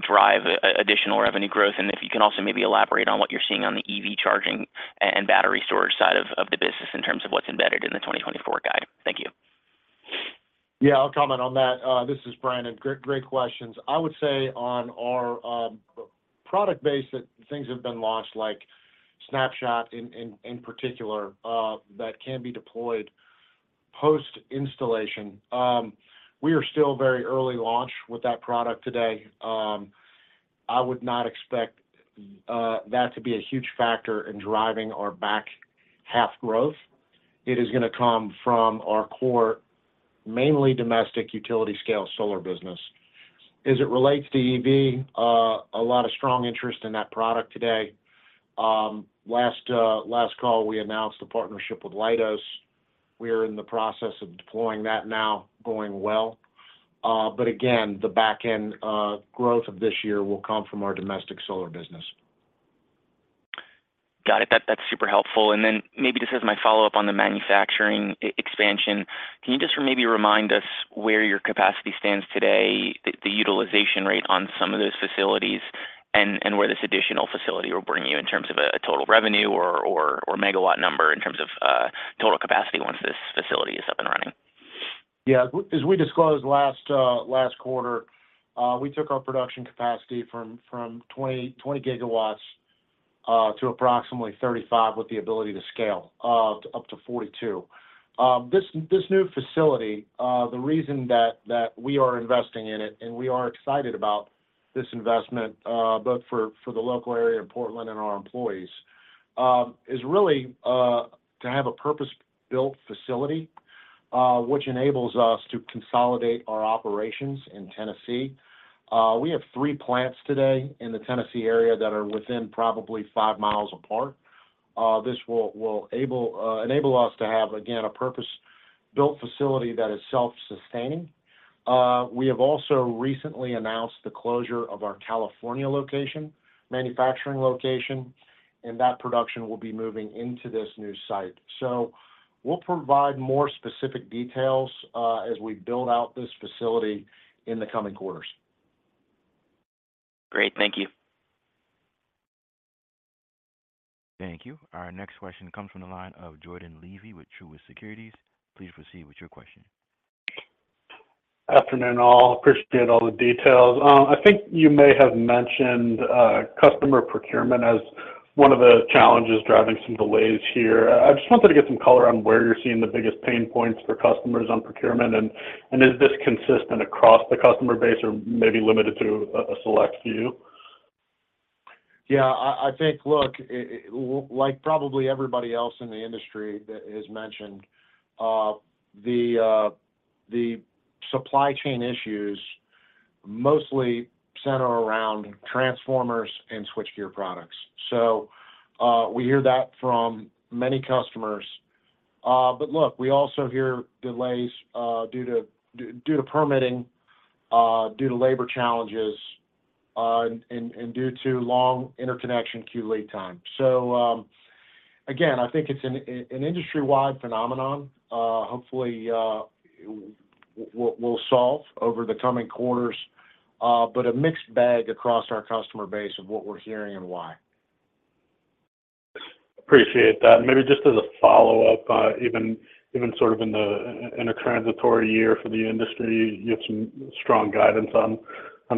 drive additional revenue growth? And if you can also maybe elaborate on what you're seeing on the EV charging and battery storage side of the business in terms of what's embedded in the 2024 guide. Thank you. Yeah. I'll comment on that. This is Brandon. Great questions. I would say on our product base that things have been launched, like SnapShot in particular, that can be deployed post-installation. We are still very early launch with that product today. I would not expect that to be a huge factor in driving our back half growth. It is going to come from our core, mainly domestic utility-scale solar business. As it relates to EV, a lot of strong interest in that product today. Last call, we announced the partnership with Leidos. We are in the process of deploying that now, going well. But again, the back end growth of this year will come from our domestic solar business. Got it. That's super helpful. And then maybe just as my follow-up on the manufacturing expansion, can you just maybe remind us where your capacity stands today, the utilization rate on some of those facilities, and where this additional facility will bring you in terms of a total revenue or megawatt number in terms of total capacity once this facility is up and running? Yeah. As we disclosed last quarter, we took our production capacity from 20 gigawatts to approximately 35 with the ability to scale up to 42. This new facility, the reason that we are investing in it and we are excited about this investment, both for the local area in Portland and our employees, is really to have a purpose-built facility, which enables us to consolidate our operations in Tennessee. We have three plants today in the Tennessee area that are within probably five miles apart. This will enable us to have, again, a purpose-built facility that is self-sustaining. We have also recently announced the closure of our California manufacturing location, and that production will be moving into this new site. So we'll provide more specific details as we build out this facility in the coming quarters. Great. Thank you. Thank you. Our next question comes from the line of Jordan Levy with Truist Securities. Please proceed with your question. Afternoon, all. Appreciate all the details. I think you may have mentioned customer procurement as one of the challenges driving some delays here. I just wanted to get some color on where you're seeing the biggest pain points for customers on procurement. Is this consistent across the customer base or maybe limited to a select few? Yeah. I think, look, like probably everybody else in the industry has mentioned, the supply chain issues mostly center around transformers and switchgear products. So we hear that from many customers. But look, we also hear delays due to permitting, due to labor challenges, and due to long interconnection queue lead time. So again, I think it's an industry-wide phenomenon. Hopefully, we'll solve over the coming quarters, but a mixed bag across our customer base of what we're hearing and why. Appreciate that. Maybe just as a follow-up, even sort of in the transitory year for the industry, you have some strong guidance on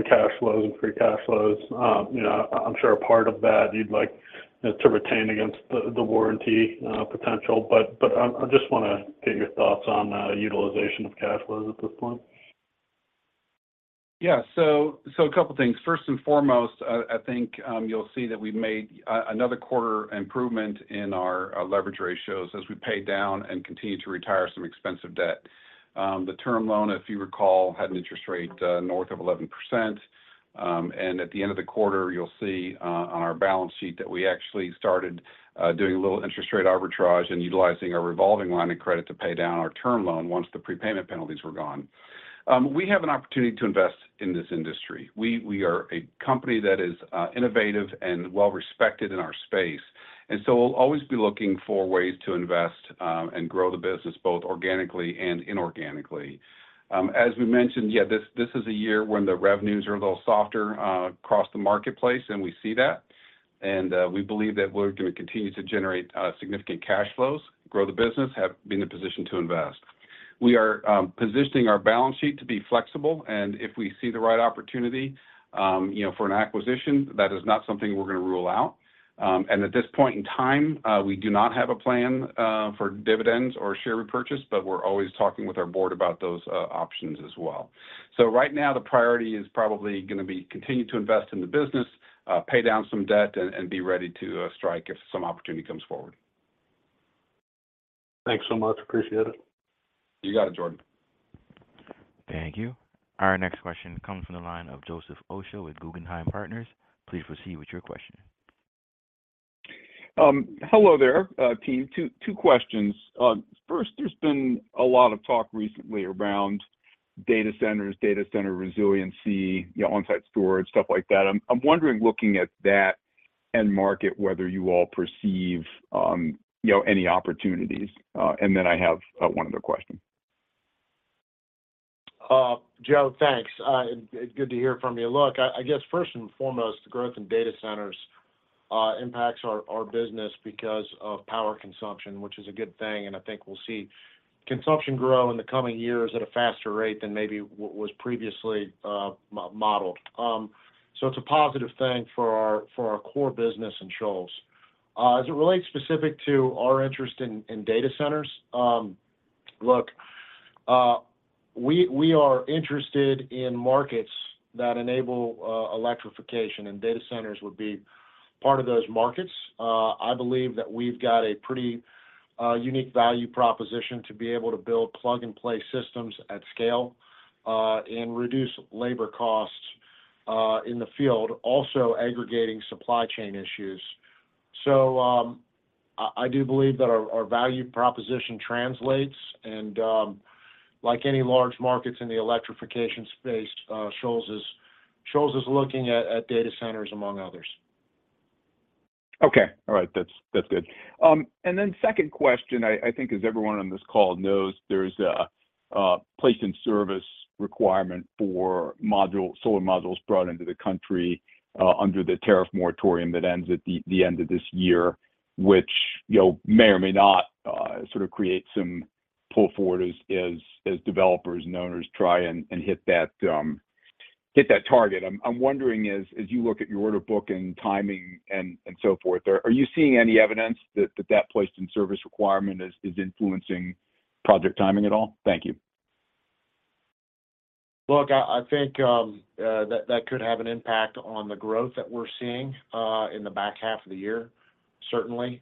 cash flows and free cash flows. I'm sure a part of that you'd like to retain against the warranty potential. I just want to get your thoughts on utilization of cash flows at this point. Yeah. So a couple of things. First and foremost, I think you'll see that we've made another quarter improvement in our leverage ratios as we pay down and continue to retire some expensive debt. The term loan, if you recall, had an interest rate north of 11%. At the end of the quarter, you'll see on our balance sheet that we actually started doing a little interest rate arbitrage and utilizing our revolving line of credit to pay down our term loan once the prepayment penalties were gone. We have an opportunity to invest in this industry. We are a company that is innovative and well-respected in our space. We'll always be looking for ways to invest and grow the business both organically and inorganically. As we mentioned, yeah, this is a year when the revenues are a little softer across the marketplace, and we see that. We believe that we're going to continue to generate significant cash flows, grow the business, have been in a position to invest. We are positioning our balance sheet to be flexible. If we see the right opportunity for an acquisition, that is not something we're going to rule out. At this point in time, we do not have a plan for dividends or share repurchase, but we're always talking with our board about those options as well. Right now, the priority is probably going to be continue to invest in the business, pay down some debt, and be ready to strike if some opportunity comes forward. Thanks so much. Appreciate it. You got it, Jordan. Thank you. Our next question comes from the line of Joseph Osha with Guggenheim Partners. Please proceed with your question. Hello there, team. Two questions. First, there's been a lot of talk recently around data centers, data center resiliency, on-site storage, stuff like that. I'm wondering, looking at that end market, whether you all perceive any opportunities. And then I have one other question. Joe, thanks. Good to hear from you. Look, I guess first and foremost, the growth in data centers impacts our business because of power consumption, which is a good thing. I think we'll see consumption grow in the coming years at a faster rate than maybe what was previously modeled. It's a positive thing for our core business in Shoals. As it relates specifically to our interest in data centers, look, we are interested in markets that enable electrification, and data centers would be part of those markets. I believe that we've got a pretty unique value proposition to be able to build plug-and-play systems at scale and reduce labor costs in the field, also aggregating supply chain issues. I do believe that our value proposition translates. Like any large markets in the electrification space, Shoals is looking at data centers, among others. Okay. All right. That's good. Then second question, I think, as everyone on this call knows, there's a place-in-service requirement for solar modules brought into the country under the tariff moratorium that ends at the end of this year, which may or may not sort of create some pull forward as developers and owners try and hit that target. I'm wondering, as you look at your order book and timing and so forth, are you seeing any evidence that that place-in-service requirement is influencing project timing at all? Thank you. Look, I think that could have an impact on the growth that we're seeing in the back half of the year, certainly.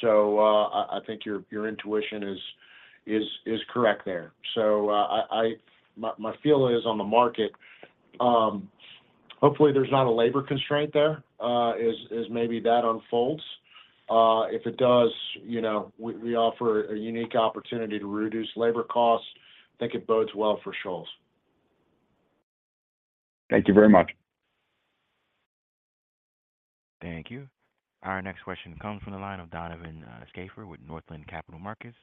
So I think your intuition is correct there. So my feel is, on the market, hopefully, there's not a labor constraint there, as maybe that unfolds. If it does, we offer a unique opportunity to reduce labor costs. I think it bodes well for Shoals. Thank you very much. Thank you. Our next question comes from the line of Donovan Schafer with Northland Capital Markets.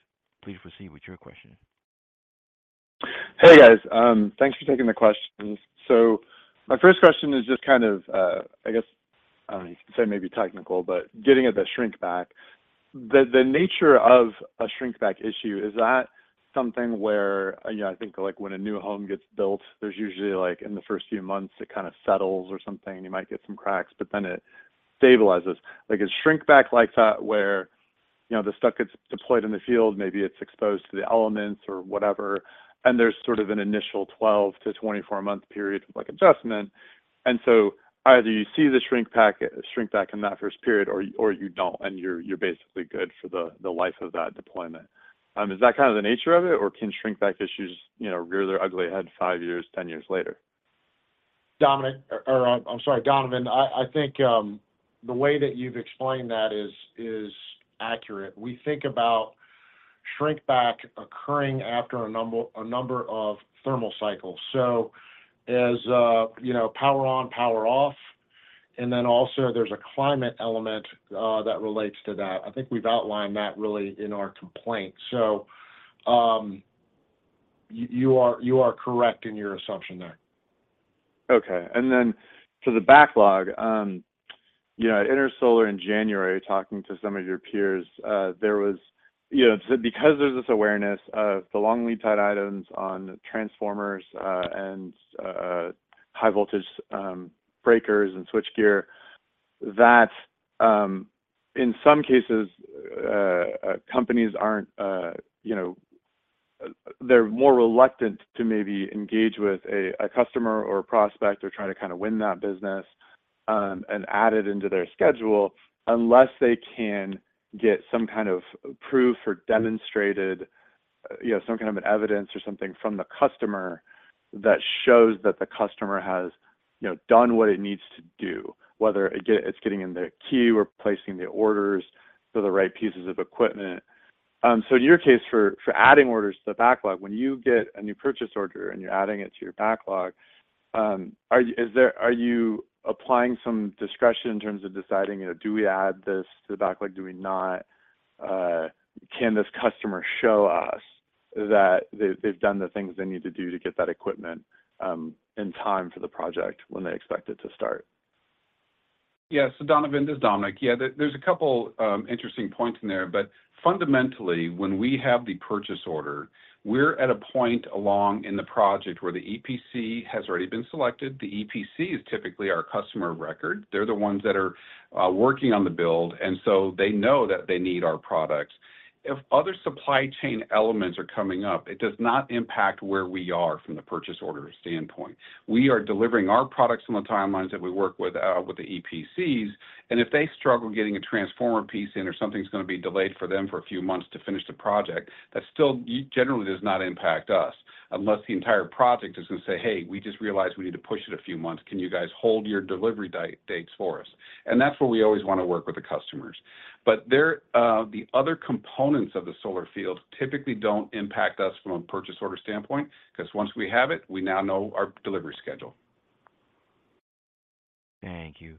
Please proceed with your question. Hey, guys. Thanks for taking the questions. So my first question is just kind of, I guess, I don't know if you can say maybe technical, but getting at the Shrinkback. The nature of a Shrinkback issue, is that something where I think when a new home gets built, there's usually in the first few months, it kind of settles or something, and you might get some cracks, but then it stabilizes? Is Shrinkback like that where the stuff gets deployed in the field, maybe it's exposed to the elements or whatever, and there's sort of an initial 12-24-month period of adjustment? And so either you see the Shrinkback in that first period or you don't, and you're basically good for the life of that deployment. Is that kind of the nature of it, or can Shrinkback issues rear their ugly head five years, 10 years later? Dominic or I'm sorry, Donovan, I think the way that you've explained that is accurate. We think about Shrinkback occurring after a number of thermal cycles. So as power on, power off, and then also there's a climate element that relates to that. I think we've outlined that really in our complaint. So you are correct in your assumption there. Okay. And then for the backlog, at Intersolar in January, talking to some of your peers, there was—because there's this awareness of the long lead-time items on transformers and high-voltage breakers and switchgear—that in some cases, companies aren't; they're more reluctant to maybe engage with a customer or a prospect or try to kind of win that business and add it into their schedule unless they can get some kind of proof or demonstrated some kind of evidence or something from the customer that shows that the customer has done what it needs to do, whether it's getting in their queue or placing the orders for the right pieces of equipment. In your case, for adding orders to the backlog, when you get a new purchase order and you're adding it to your backlog, are you applying some discretion in terms of deciding, "Do we add this to the backlog? Do we not? Can this customer show us that they've done the things they need to do to get that equipment in time for the project when they expect it to start? Yeah. So Donovan, this is Dominic. Yeah, there's a couple of interesting points in there. But fundamentally, when we have the purchase order, we're at a point along in the project where the EPC has already been selected. The EPC is typically our customer record. They're the ones that are working on the build, and so they know that they need our products. If other supply chain elements are coming up, it does not impact where we are from the purchase order standpoint. We are delivering our products on the timelines that we work with the EPCs. And if they struggle getting a transformer piece in or something's going to be delayed for them for a few months to finish the project, that still generally does not impact us unless the entire project is going to say, "Hey, we just realized we need to push it a few months. Can you guys hold your delivery dates for us?" That's where we always want to work with the customers. The other components of the solar field typically don't impact us from a purchase order standpoint because once we have it, we now know our delivery schedule. Thank you.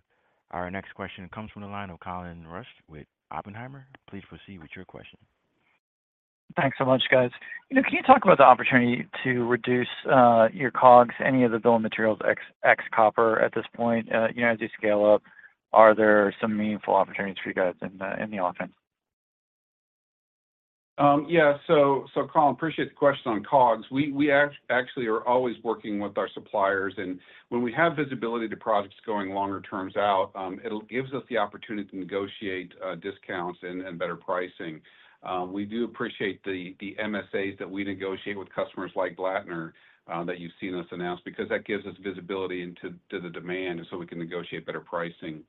Our next question comes from the line of Colin Rusch with Oppenheimer. Please proceed with your question. Thanks so much, guys. Can you talk about the opportunity to reduce your COGS, any of the billing materials, ex-copper at this point? As you scale up, are there some meaningful opportunities for you guys in the offense? Yeah. So Colin, appreciate the question on COGS. We actually are always working with our suppliers. When we have visibility to projects going longer terms out, it gives us the opportunity to negotiate discounts and better pricing. We do appreciate the MSAs that we negotiate with customers like Blattner that you've seen us announce because that gives us visibility into the demand so we can negotiate better pricing.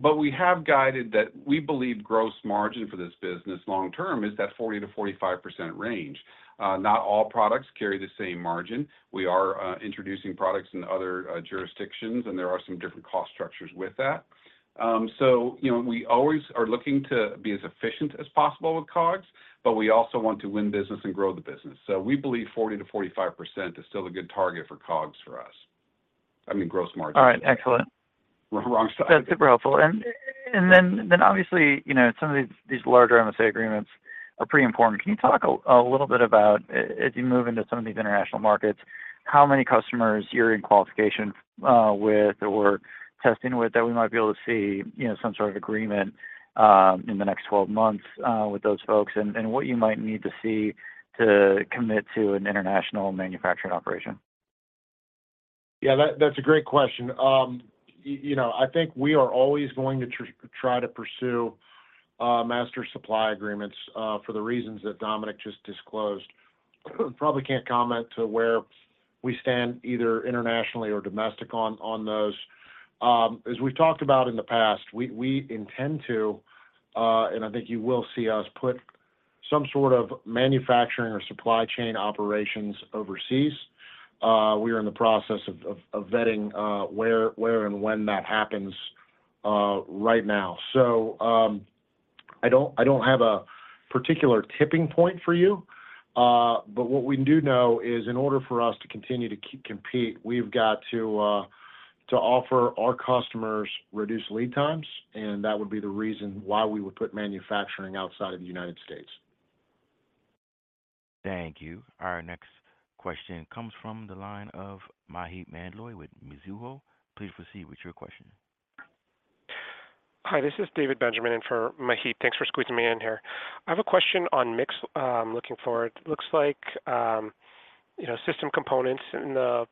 But we have guided that we believe gross margin for this business long-term is that 40%-45% range. Not all products carry the same margin. We are introducing products in other jurisdictions, and there are some different cost structures with that. We always are looking to be as efficient as possible with COGS, but we also want to win business and grow the business. So we believe 40%-45% is still a good target for COGS for us. I mean, gross margin. All right. Excellent. Wrong side. That's super helpful. And then obviously, some of these larger MSA agreements are pretty important. Can you talk a little bit about, as you move into some of these international markets, how many customers you're in qualification with or testing with that we might be able to see some sort of agreement in the next 12 months with those folks and what you might need to see to commit to an international manufacturing operation? Yeah, that's a great question. I think we are always going to try to pursue master supply agreements for the reasons that Dominic just disclosed. Probably can't comment to where we stand either internationally or domestic on those. As we've talked about in the past, we intend to, and I think you will see us, put some sort of manufacturing or supply chain operations overseas. We are in the process of vetting where and when that happens right now. So I don't have a particular tipping point for you. But what we do know is, in order for us to continue to compete, we've got to offer our customers reduced lead times. And that would be the reason why we would put manufacturing outside of the United States. Thank you. Our next question comes from the line of Maheep Mandloi with Mizuho. Please proceed with your question. Hi. This is David Benjamin for Maheep. Thanks for squeezing me in here. I have a question on mix looking forward. It looks like system components in the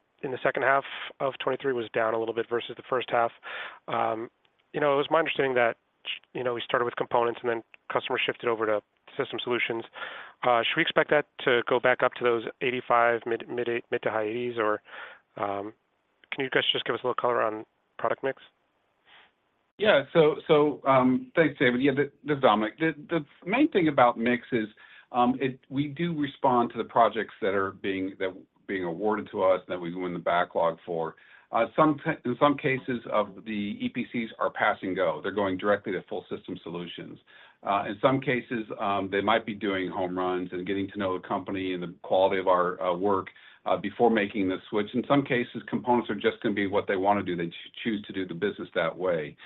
second half of 2023 was down a little bit versus the first half. It was my understanding that we started with components, and then customers shifted over to system solutions. Should we expect that to go back up to those 85%, mid- to high 80s%, or can you guys just give us a little color on product mix? Yeah. So thanks, David. Yeah, this is Dominic. The main thing about mix is we do respond to the projects that are being awarded to us that we win the backlog for. In some cases, the EPCs are pass and go. They're going directly to full system solutions. In some cases, they might be doing home runs and getting to know the company and the quality of our work before making the switch. In some cases, components are just going to be what they want to do. They choose to do the business that way.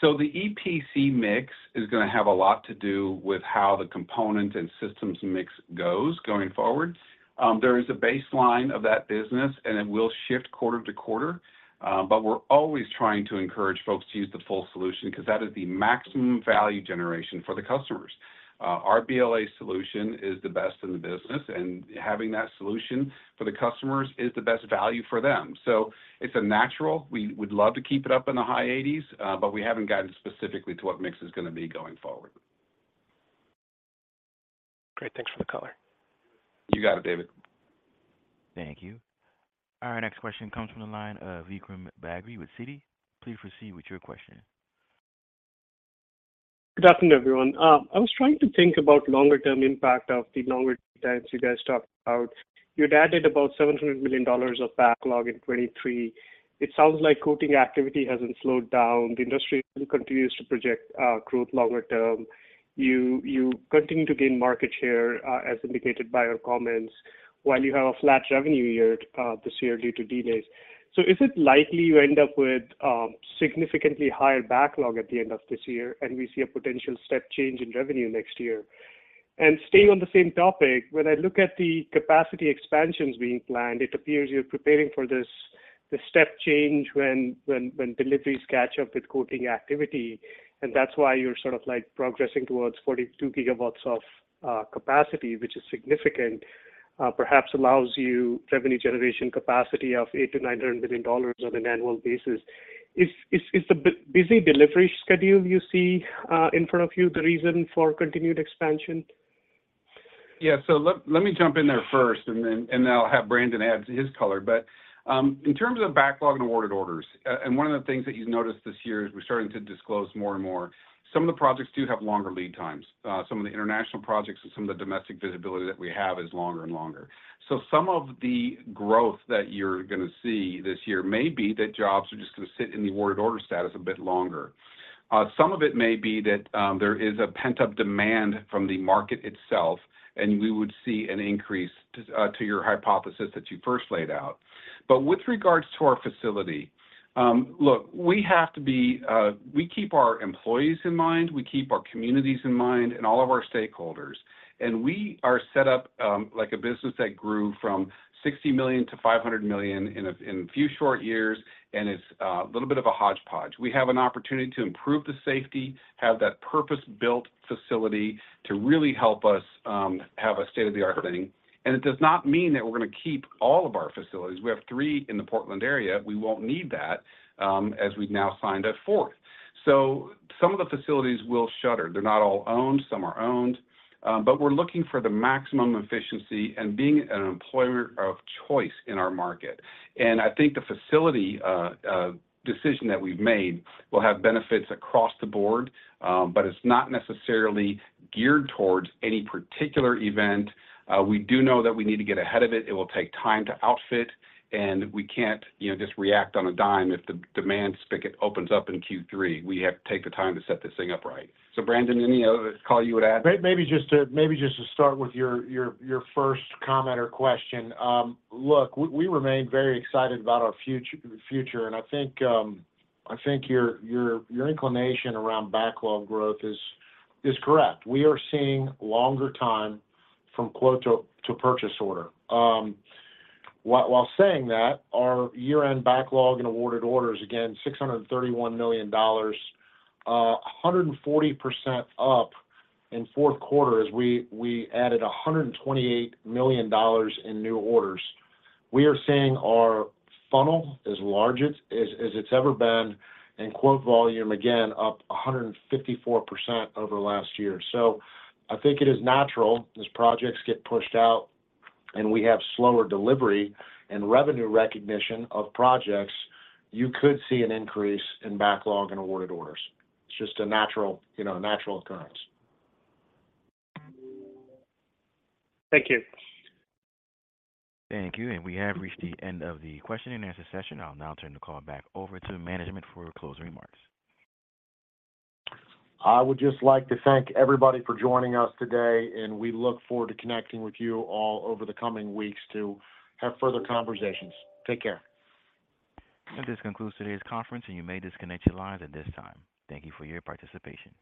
So the EPC mix is going to have a lot to do with how the component and systems mix goes going forward. There is a baseline of that business, and it will shift quarter to quarter. But we're always trying to encourage folks to use the full solution because that is the maximum value generation for the customers. Our BLA solution is the best in the business, and having that solution for the customers is the best value for them. So it's a natural. We would love to keep it up in the high 80s, but we haven't guided specifically to what mix is going to be going forward. Great. Thanks for the color. You got it, David. Thank you. Our next question comes from the line of Vikram Bagri with Citi. Please proceed with your question. Good afternoon, everyone. I was trying to think about longer-term impact of the lead times you guys talked about. You added about $700 million of backlog in 2023. It sounds like quoting activity hasn't slowed down. The industry continues to project growth longer term. You continue to gain market share, as indicated by your comments, while you have a flat revenue year this year due to delays. So is it likely you end up with significantly higher backlog at the end of this year, and we see a potential step change in revenue next year? And staying on the same topic, when I look at the capacity expansions being planned, it appears you're preparing for this step change when deliveries catch up with quoting activity. And that's why you're sort of progressing towards 42 gigawatts of capacity, which is significant, perhaps allows you revenue generation capacity of $800 million-$900 million on an annual basis. Is the busy delivery schedule you see in front of you the reason for continued expansion? Yeah. So let me jump in there first, and then I'll have Brandon add his color. But in terms of backlog and awarded orders, and one of the things that you've noticed this year as we're starting to disclose more and more, some of the projects do have longer lead times. Some of the international projects and some of the domestic visibility that we have is longer and longer. So some of the growth that you're going to see this year may be that jobs are just going to sit in the awarded order status a bit longer. Some of it may be that there is a pent-up demand from the market itself, and we would see an increase to your hypothesis that you first laid out. But with regards to our facility, look, we have to be we keep our employees in mind. We keep our communities in mind and all of our stakeholders. We are set up like a business that grew from $60 million to $500 million in a few short years, and it's a little bit of a hodgepodge. We have an opportunity to improve the safety, have that purpose-built facility to really help us have a state-of-the-art thing. It does not mean that we're going to keep all of our facilities. We have three in the Portland area. We won't need that as we've now signed a fourth. So some of the facilities will shutter. They're not all owned. Some are owned. But we're looking for the maximum efficiency and being an employer of choice in our market. And I think the facility decision that we've made will have benefits across the board, but it's not necessarily geared towards any particular event. We do know that we need to get ahead of it. It will take time to outfit. And we can't just react on a dime if the demand spigot opens up in Q3. We have to take the time to set this thing up right. So Brandon, any other call you would add? Maybe just to start with your first comment or question, look, we remain very excited about our future. And I think your inclination around backlog growth is correct. We are seeing longer time from quote to purchase order. While saying that, our year-end Backlog and Awarded Orders, again, $631 million, 140% up in fourth quarter as we added $128 million in new orders. We are seeing our funnel as large as it's ever been in quote volume, again, up 154% over last year. I think it is natural as projects get pushed out and we have slower delivery and revenue recognition of projects, you could see an increase in backlog and awarded orders. It's just a natural occurrence. Thank you. Thank you. We have reached the end of the question and answer session. I'll now turn the call back over to management for closing remarks. I would just like to thank everybody for joining us today, and we look forward to connecting with you all over the coming weeks to have further conversations. Take care. This concludes today's conference, and you may disconnect your lines at this time. Thank you for your participation.